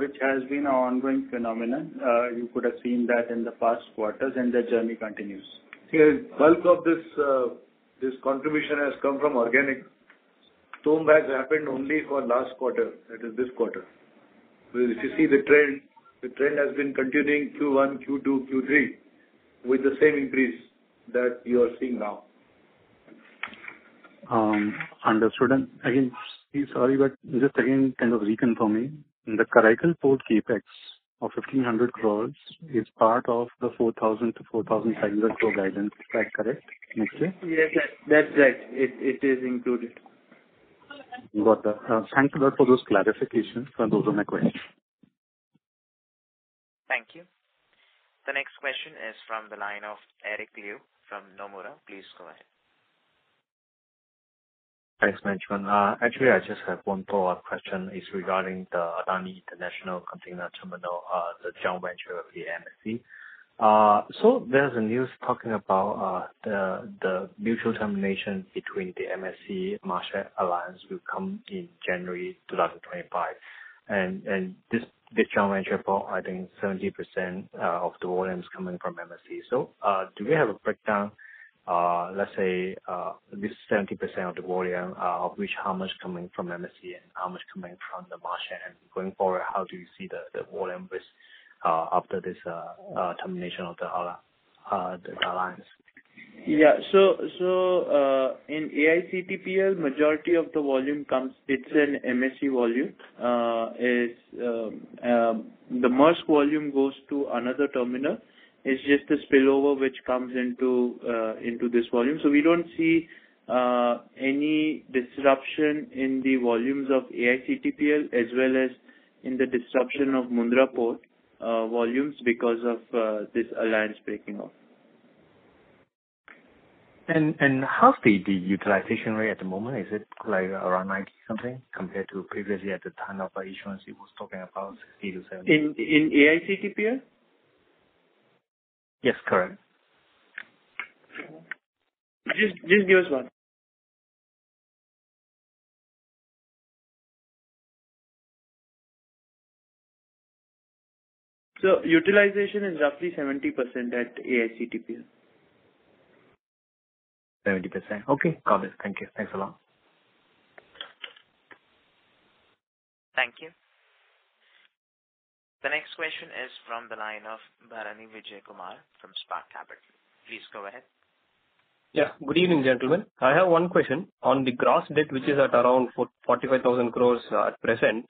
which has been an ongoing phenomenon. You could have seen that in the past quarters and the journey continues. Yeah. Bulk of this contribution has come from organic. Tumb has happened only for last quarter, that is this quarter. If you see the trend, the trend has been continuing Q1, Q2, Q3 with the same increase that you are seeing now. understood. Again, sorry, but just again, kind of reconfirming. The Karaikal Port CapEx of 1,500 crore is part of the 4,000 crore-4,500 crore guidance. Is that correct? Yes. That's right. It is included. Got that. Thank you for those clarifications. Those are my questions. Thank you. The next question is from the line of Eric Liu from Nomura. Please go ahead. Thanks, management. Actually I just have 1 follow-up question. It's regarding the Adani International Container Terminal, the joint venture of the MSC. There's a news talking about the mutual termination between the MSC, Maersk alliance will come in January 2025. This joint venture for I think 70% of the volumes coming from MSC. Do we have a breakdown, let's say, this 70% of the volume, which how much coming from MSC and how much coming from the Maersk? Going forward, how do you see the volume with after this termination of the alliance? In AICTPL, majority of the volume comes. It's an MSC volume. The Maersk volume goes to another terminal. It's just a spillover which comes into this volume. We don't see any disruption in the volumes of AICTPL as well as in the disruption of Mundra Port volumes because of this alliance breaking off. How's the utilization rate at the moment? Is it like around 90 something compared to previously at the time of issuance it was talking about 60-70? In AICTPL? Yes, correct. Just give us one. Utilization is roughly 70% at AICTPL. 70%. Okay, got it. Thank you. Thanks a lot. Thank you. The next question is from the line of Bharani Vijayakumar from Spark Capital. Please go ahead. Yeah, good evening, gentlemen. I have one question. On the gross debt, which is at around 45,000 crores at present,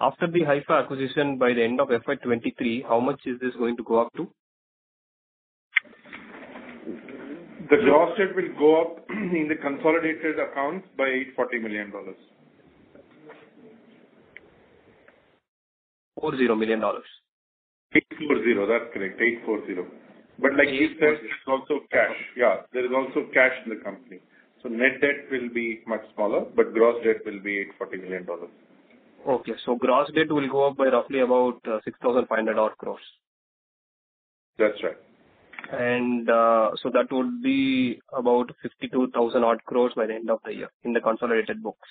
after the Haifa acquisition by the end of FY 2023, how much is this going to go up to? The gross debt will go up in the consolidated accounts by $840 million. $40 million. 840. That's correct. 840. Like he said, there's also cash. There is also cash in the company. Net debt will be much smaller, but gross debt will be $840 million. Okay. gross debt will go up by roughly about, 6,500 crores odd. That's right. That would be about 52,000 crores odd by the end of the year in the consolidated books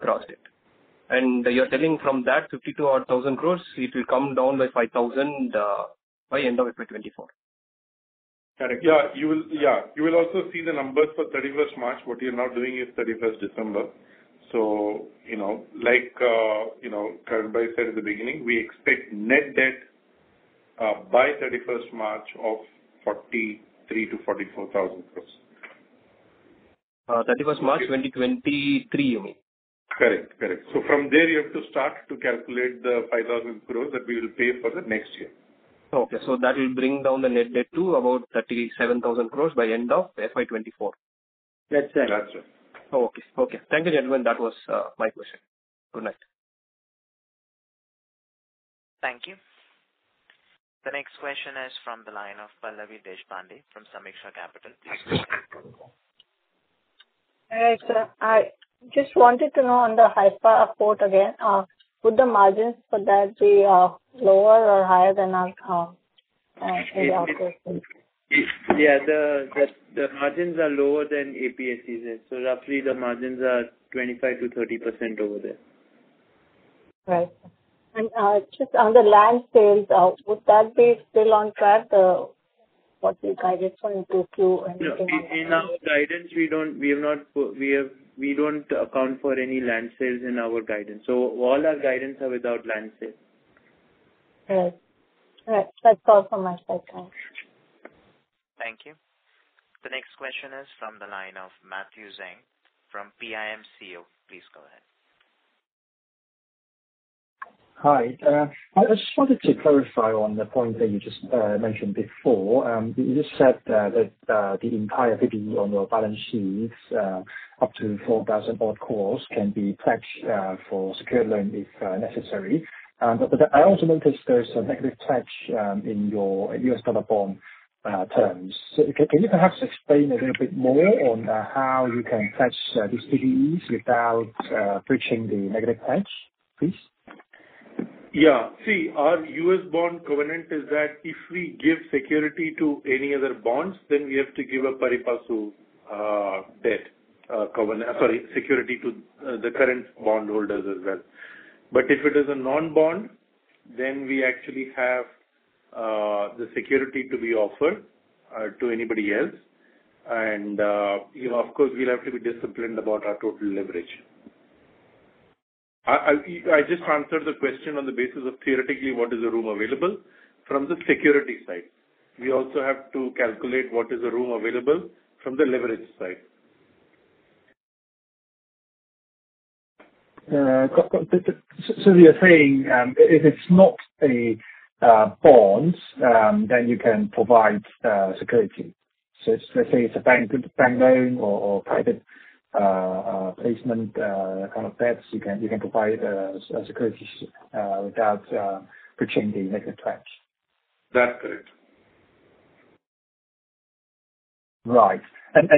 gross debt. You're telling from that 52,000 crores odd, it will come down by 5,000 by end of FY 2024. Correct. Yeah. You will also see the numbers for 31st March. What you're now doing is 31st December. You know, like, you know, Karan Adani said at the beginning, we expect net debt by 31st March of rupees 43,000 crores-44,000 crores. 31st March 2023 you mean? Correct. Correct. From there you have to start to calculate the 5,000 crores that we will pay for the next year. Okay. That will bring down the net debt to about 37,000 crores by end of FY 2024. That's right. That's right. Okay. Okay. Thank you, gentlemen. That was my question. Good night. Thank you. The next question is from the line of Rahul Sawhney from Sameeksha Capital. Please go ahead. Hi, sir. I just wanted to know on the Haifa Port again, would the margins for that be lower or higher than the other ports? Yeah. The margins are lower than APSEZ. Roughly the margins are 25%-30% over there. Right. Just on the land sales, would that be still on track, what's the guidance from Q2? In our guidance we don't account for any land sales in our guidance. All our guidance are without land sales. Right. Right. That's all from my side. Thanks. Thank you. The next question is from the line of Matthew Zheng from PIMCO. Please go ahead. Hi. I just wanted to clarify on the point that you just mentioned before. You just said that the entire PPE on your balance sheets up to 4,000 odd crores can be pledged for secured loan if necessary. But I also noticed there's a negative pledge in your U.S. dollar bond terms. Can you perhaps explain a little bit more on how you can pledge these PPEs without breaching the negative pledge, please? Yeah. See, our U.S. bond covenant is that if we give security to any other bonds, then we have to give a pari-passu debt security to the current bondholders as well. If it is a non-bond, then we actually have the security to be offered to anybody else. You know, of course, we'll have to be disciplined about our total leverage. I just answered the question on the basis of theoretically what is the room available from the security side. We also have to calculate what is the room available from the leverage side. You're saying if it's not a bonds, then you can provide security. Let's say it's a bank loan or private placement kind of debts, you can provide security without breaching the negative pledge. That's correct. Right.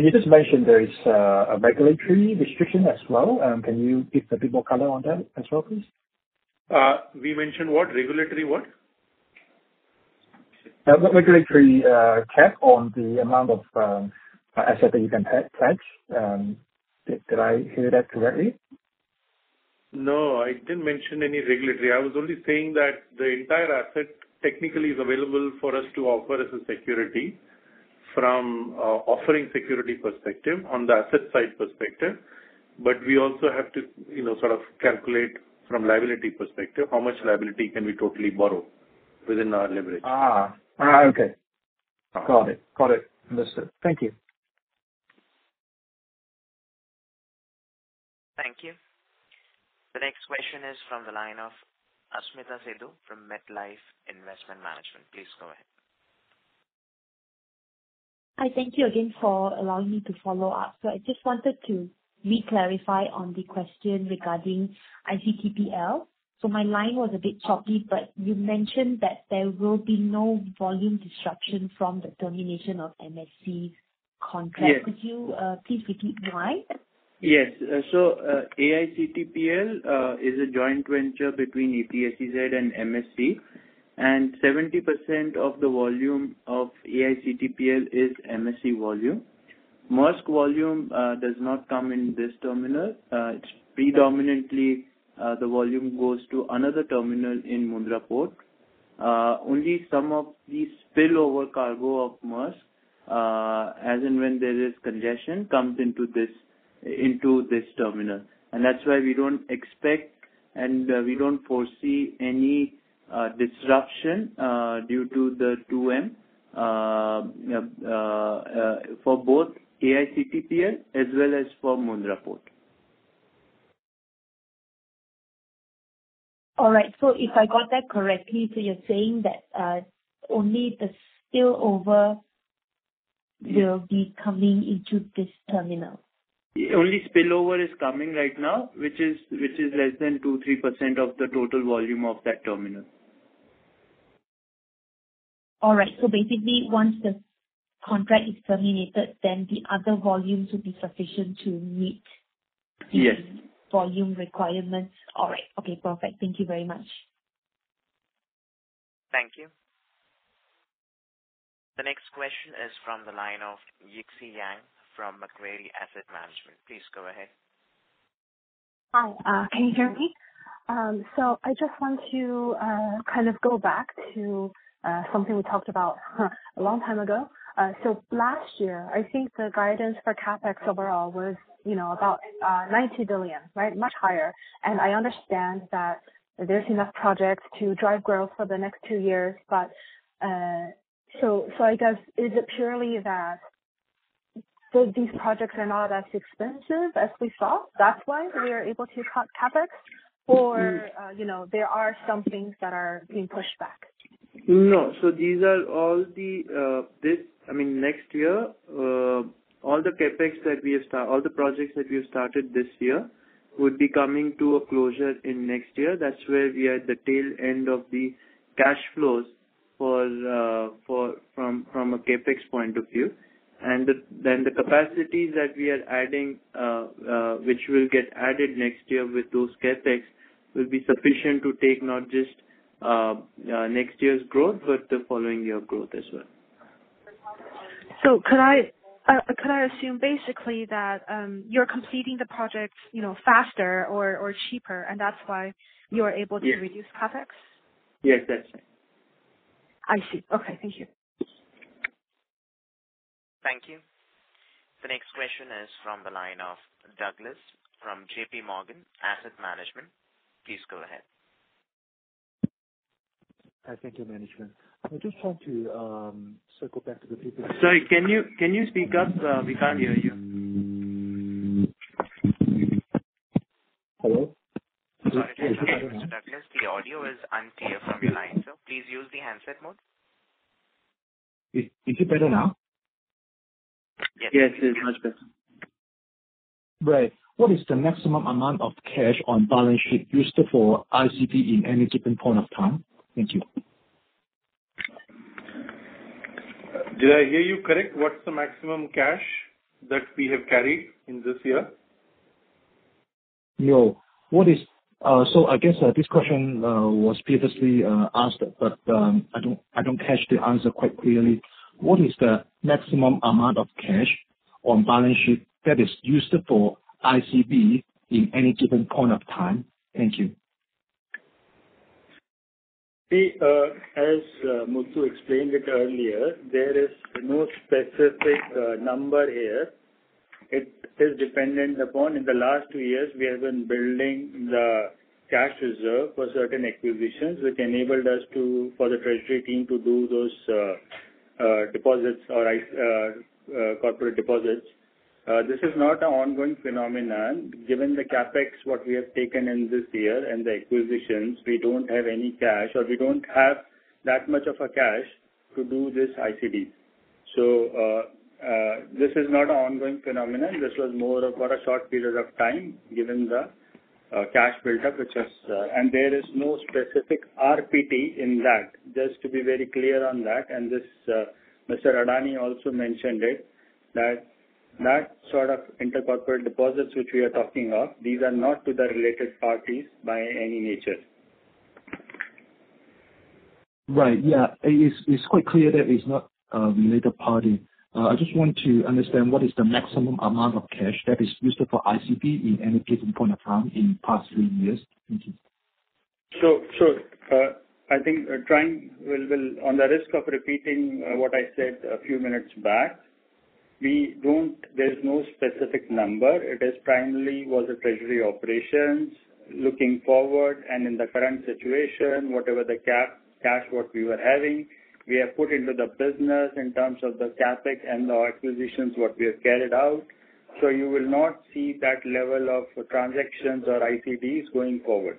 You just mentioned there is a regulatory restriction as well. Can you give a bit more color on that as well, please? We mentioned what? Regulatory what? Regulatory, cap on the amount of asset that you can pledge. Did I hear that correctly? No, I didn't mention any regulatory. I was only saying that the entire asset technically is available for us to offer as a security from offering security perspective on the asset side perspective, but we also have to, you know, sort of calculate from liability perspective, how much liability can we totally borrow within our leverage. Okay. Got it. Got it. Understood. Thank you. Thank you. The next question is from the line of Apoorva Bahadur from MetLife Investment Management. Please go ahead. Hi. Thank you again for allowing me to follow up. I just wanted to re-clarify on the question regarding AICTPL. My line was a bit choppy, but you mentioned that there will be no volume disruption from the termination of MSC contract. Yes. Could you please repeat why? Yes. AICTPL is a joint venture between APSEZ and MSC, and 70% of the volume of AICTPL is MSC volume. Maersk volume does not come in this terminal. It's predominantly the volume goes to another terminal in Mundra Port. Only some of the spillover cargo of Maersk as and when there is congestion, comes into this terminal. That's why we don't expect and we don't foresee any disruption due to the 2M for both AICTPL as well as for Mundra Port. All right. If I got that correctly, so you're saying that only the spillover will be coming into this terminal? Only spillover is coming right now, which is less than 2-3% of the total volume of that terminal. All right. Basically, once the contract is terminated, then the other volumes will be sufficient to meet Yes. the volume requirements. All right. Okay, perfect. Thank you very much. Thank you. The next question is from the line of Jignesh Karia from Macquarie Asset Management. Please go ahead. Hi. Can you hear me? I just want to kind of go back to something we talked about a long time ago. Last year, I think the guidance for CapEx overall was, you know, about 90 billion, right? Much higher. I understand that there's enough projects to drive growth for the next two years. I guess, is it purely that so these projects are not as expensive as we saw, that's why we are able to cut CapEx or, you know, there are some things that are being pushed back? No. These are all the, I mean, next year, all the projects that we have started this year would be coming to a closure in next year. That's where we are at the tail end of the cash flows for, from a CapEx point of view. The capacities that we are adding, which will get added next year with those CapEx, will be sufficient to take not just next year's growth, but the following year growth as well. Could I assume basically that, you know, you're completing the projects faster or cheaper and that's why you are able to... Yes. reduce CapEx? Yes, that's right. I see. Okay. Thank you. Thank you. The next question is from the line of Douglas from J.P. Morgan Asset Management. Please go ahead. Hi. Thank you, management. I just want to circle back to. Sorry. Can you speak up? We can't hear you. Hello? Sorry. Just a second, Douglas. The audio is unclear from your line, sir. Please use the handset mode. Is it better now? Yes. Yes, it's much better. Right. What is the maximum amount of cash on balance sheet used for ICP in any given point of time? Thank you. Did I hear you correct? What's the maximum cash that we have carried in this year? No. I guess, this question was previously asked, but I don't catch the answer quite clearly. What is the maximum amount of cash on balance sheet that is used for ICD in any given point of time? Thank you. We, as Muthu explained it earlier, there is no specific number here. It is dependent upon in the last two years we have been building the cash reserve for certain acquisitions, which enabled us to, for the treasury team to do those deposits or corporate deposits. This is not an ongoing phenomenon. Given the CapEx, what we have taken in this year and the acquisitions, we don't have any cash or we don't have that much of a cash to do this ICD. This is not an ongoing phenomenon. This was more of for a short period of time, given the cash build-up which has... There is no specific RPT in that, just to be very clear on that. This Mr.... Adani also mentioned it, that sort of intercorporate deposits which we are talking of, these are not to the related parties by any nature. Right. Yeah. It's quite clear that it's not a related party. I just want to understand what is the maximum amount of cash that is used for ICD in any given point of time in the past few years. Thank you. So, I think trying, we'll, on the risk of repeating what I said a few minutes back, we don't. There's no specific number. It is primarily was a treasury operations looking forward, and in the current situation, whatever the cash what we were having, we have put into the business in terms of the CapEx and the acquisitions what we have carried out. You will not see that level of transactions or ICDs going forward.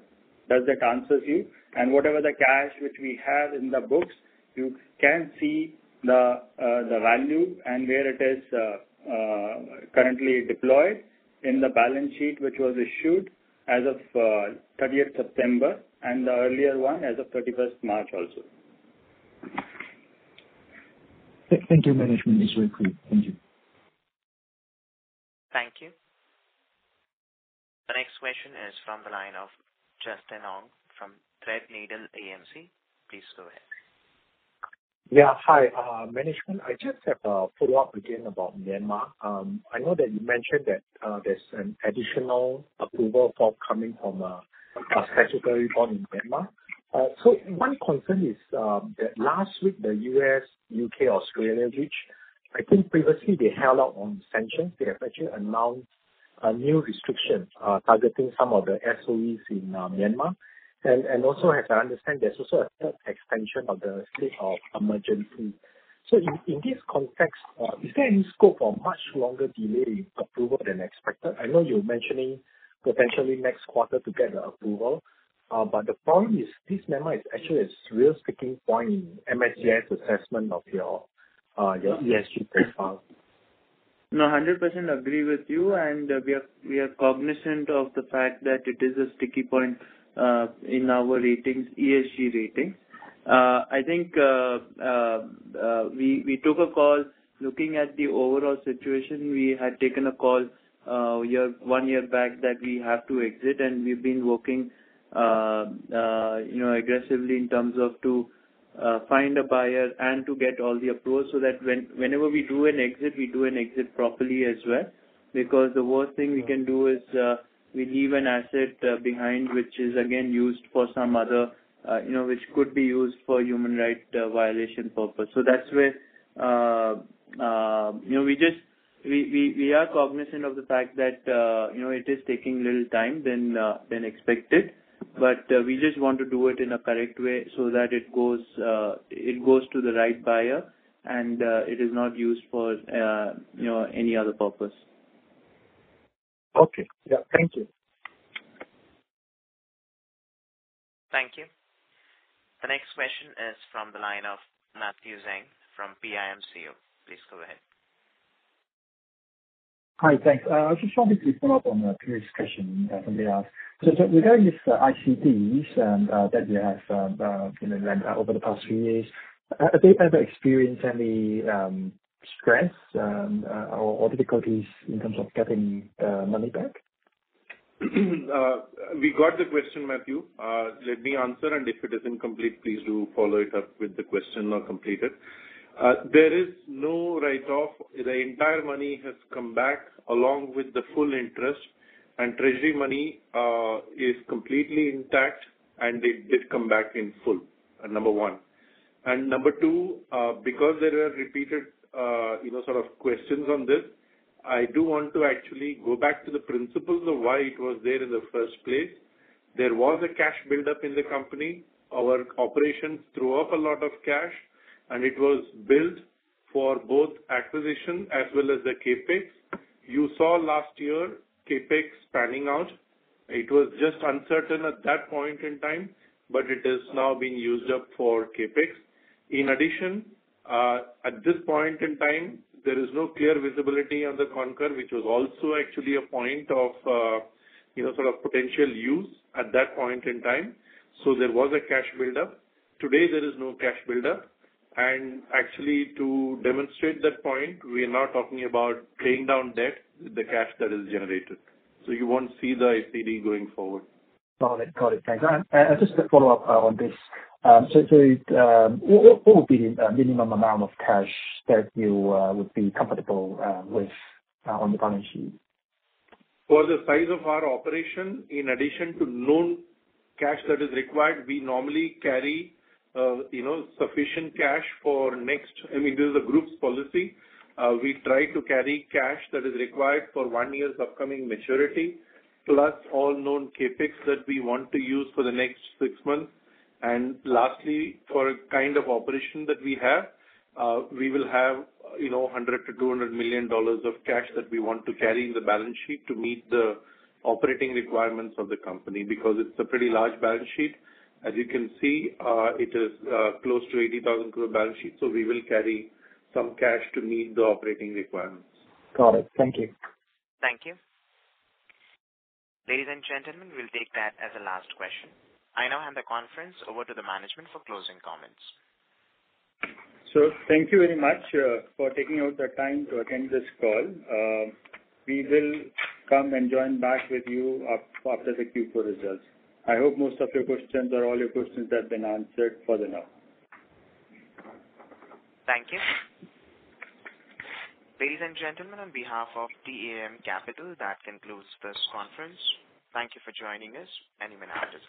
Does that answer you? Whatever the cash which we have in the books, you can see the value and where it is currently deployed in the balance sheet, which was issued as of 30th September and the earlier one as of 31st March also. Thank you, management. It's very clear. Thank you. Thank you. The next question is from the line of Justin Ong from Threadneedle AMC. Please go ahead. Hi. Management, I just have a follow-up again about Myanmar. I know that you mentioned that there's an additional approval forthcoming from a statutory board in Myanmar. One concern is that last week the U.S., U.K., Australia reached, I think previously they held out on sanctions. They have actually announced a new restriction, targeting some of the SOEs in Myanmar. Also as I understand, there's also a third extension of the state of emergency. In this context, is there any scope for much longer delay approval than expected? I know you're mentioning potentially next quarter to get the approval, but the problem is this Myanmar is actually a real sticking point in MSCI assessment of your ESG profile. No, 100% agree with you, and we are cognizant of the fact that it is a sticky point in our ratings, ESG ratings. I think we took a call. Looking at the overall situation, we had taken a call one year back that we have to exit, and we've been working, you know, aggressively in terms of to find a buyer and to get all the approvals so that whenever we do an exit, we do an exit properly as well. Because the worst thing we can do is we leave an asset behind which is again used for some other, you know, which could be used for human right violation purpose. That's where, you know, we just... We are cognizant of the fact that, you know, it is taking a little time than expected. We just want to do it in a correct way so that it goes, it goes to the right buyer and it is not used for, you know, any other purpose. Okay. Yeah. Thank you. Thank you. The next question is from the line of Matthew Zheng from PIMCO. Please go ahead. Hi. Thanks. I just wanted to follow up on a previous question, somebody asked. Regarding these ICDs and, that you have, you know, lent out over the past few years, have they ever experienced any stress, or difficulties in terms of getting money back? We got the question, Matthew. Let me answer, and if it is incomplete, please do follow it up with the question or complete it. There is no write-off. The entire money has come back along with the full interest, and treasury money is completely intact, and it did come back in full, number 1. Number 2, because there are repeated, you know, sort of questions on this, I do want to actually go back to the principles of why it was there in the first place. There was a cash build-up in the company. Our operations threw up a lot of cash, and it was built for both acquisition as well as the CapEx. You saw last year CapEx panning out. It was just uncertain at that point in time, but it is now being used up for CapEx. In addition, at this point in time, there is no clear visibility on the Concor, which was also actually a point of, you know, sort of potential use at that point in time. There was a cash build-up. Today there is no cash build-up. Actually, to demonstrate that point, we are now talking about paying down debt with the cash that is generated. You won't see the ICD going forward. Got it. Got it. Thanks. Just a follow-up on this. What would be the minimum amount of cash that you would be comfortable with on the balance sheet? For the size of our operation, in addition to known cash that is required, we normally carry, you know, sufficient cash for next... I mean, this is a group's policy. We try to carry cash that is required for 1 year's upcoming maturity, plus all known CapEx that we want to use for the next 6 months. Lastly, for a kind of operation that we have, we will have, you know, $100 million-$200 million of cash that we want to carry in the balance sheet to meet the operating requirements of the company, because it's a pretty large balance sheet. As you can see, it is close to 80,000 crore balance sheet. We will carry some cash to meet the operating requirements. Got it. Thank you. Thank you. Ladies and gentlemen, we'll take that as the last question. I now hand the conference over to the management for closing comments. Thank you very much for taking out the time to attend this call. We will come and join back with you after the Q4 results. I hope most of your questions or all your questions have been answered for the now. Thank you. Ladies and gentlemen, on behalf of DAM Capital, that concludes this conference. Thank you for joining us, and you may now disconnect.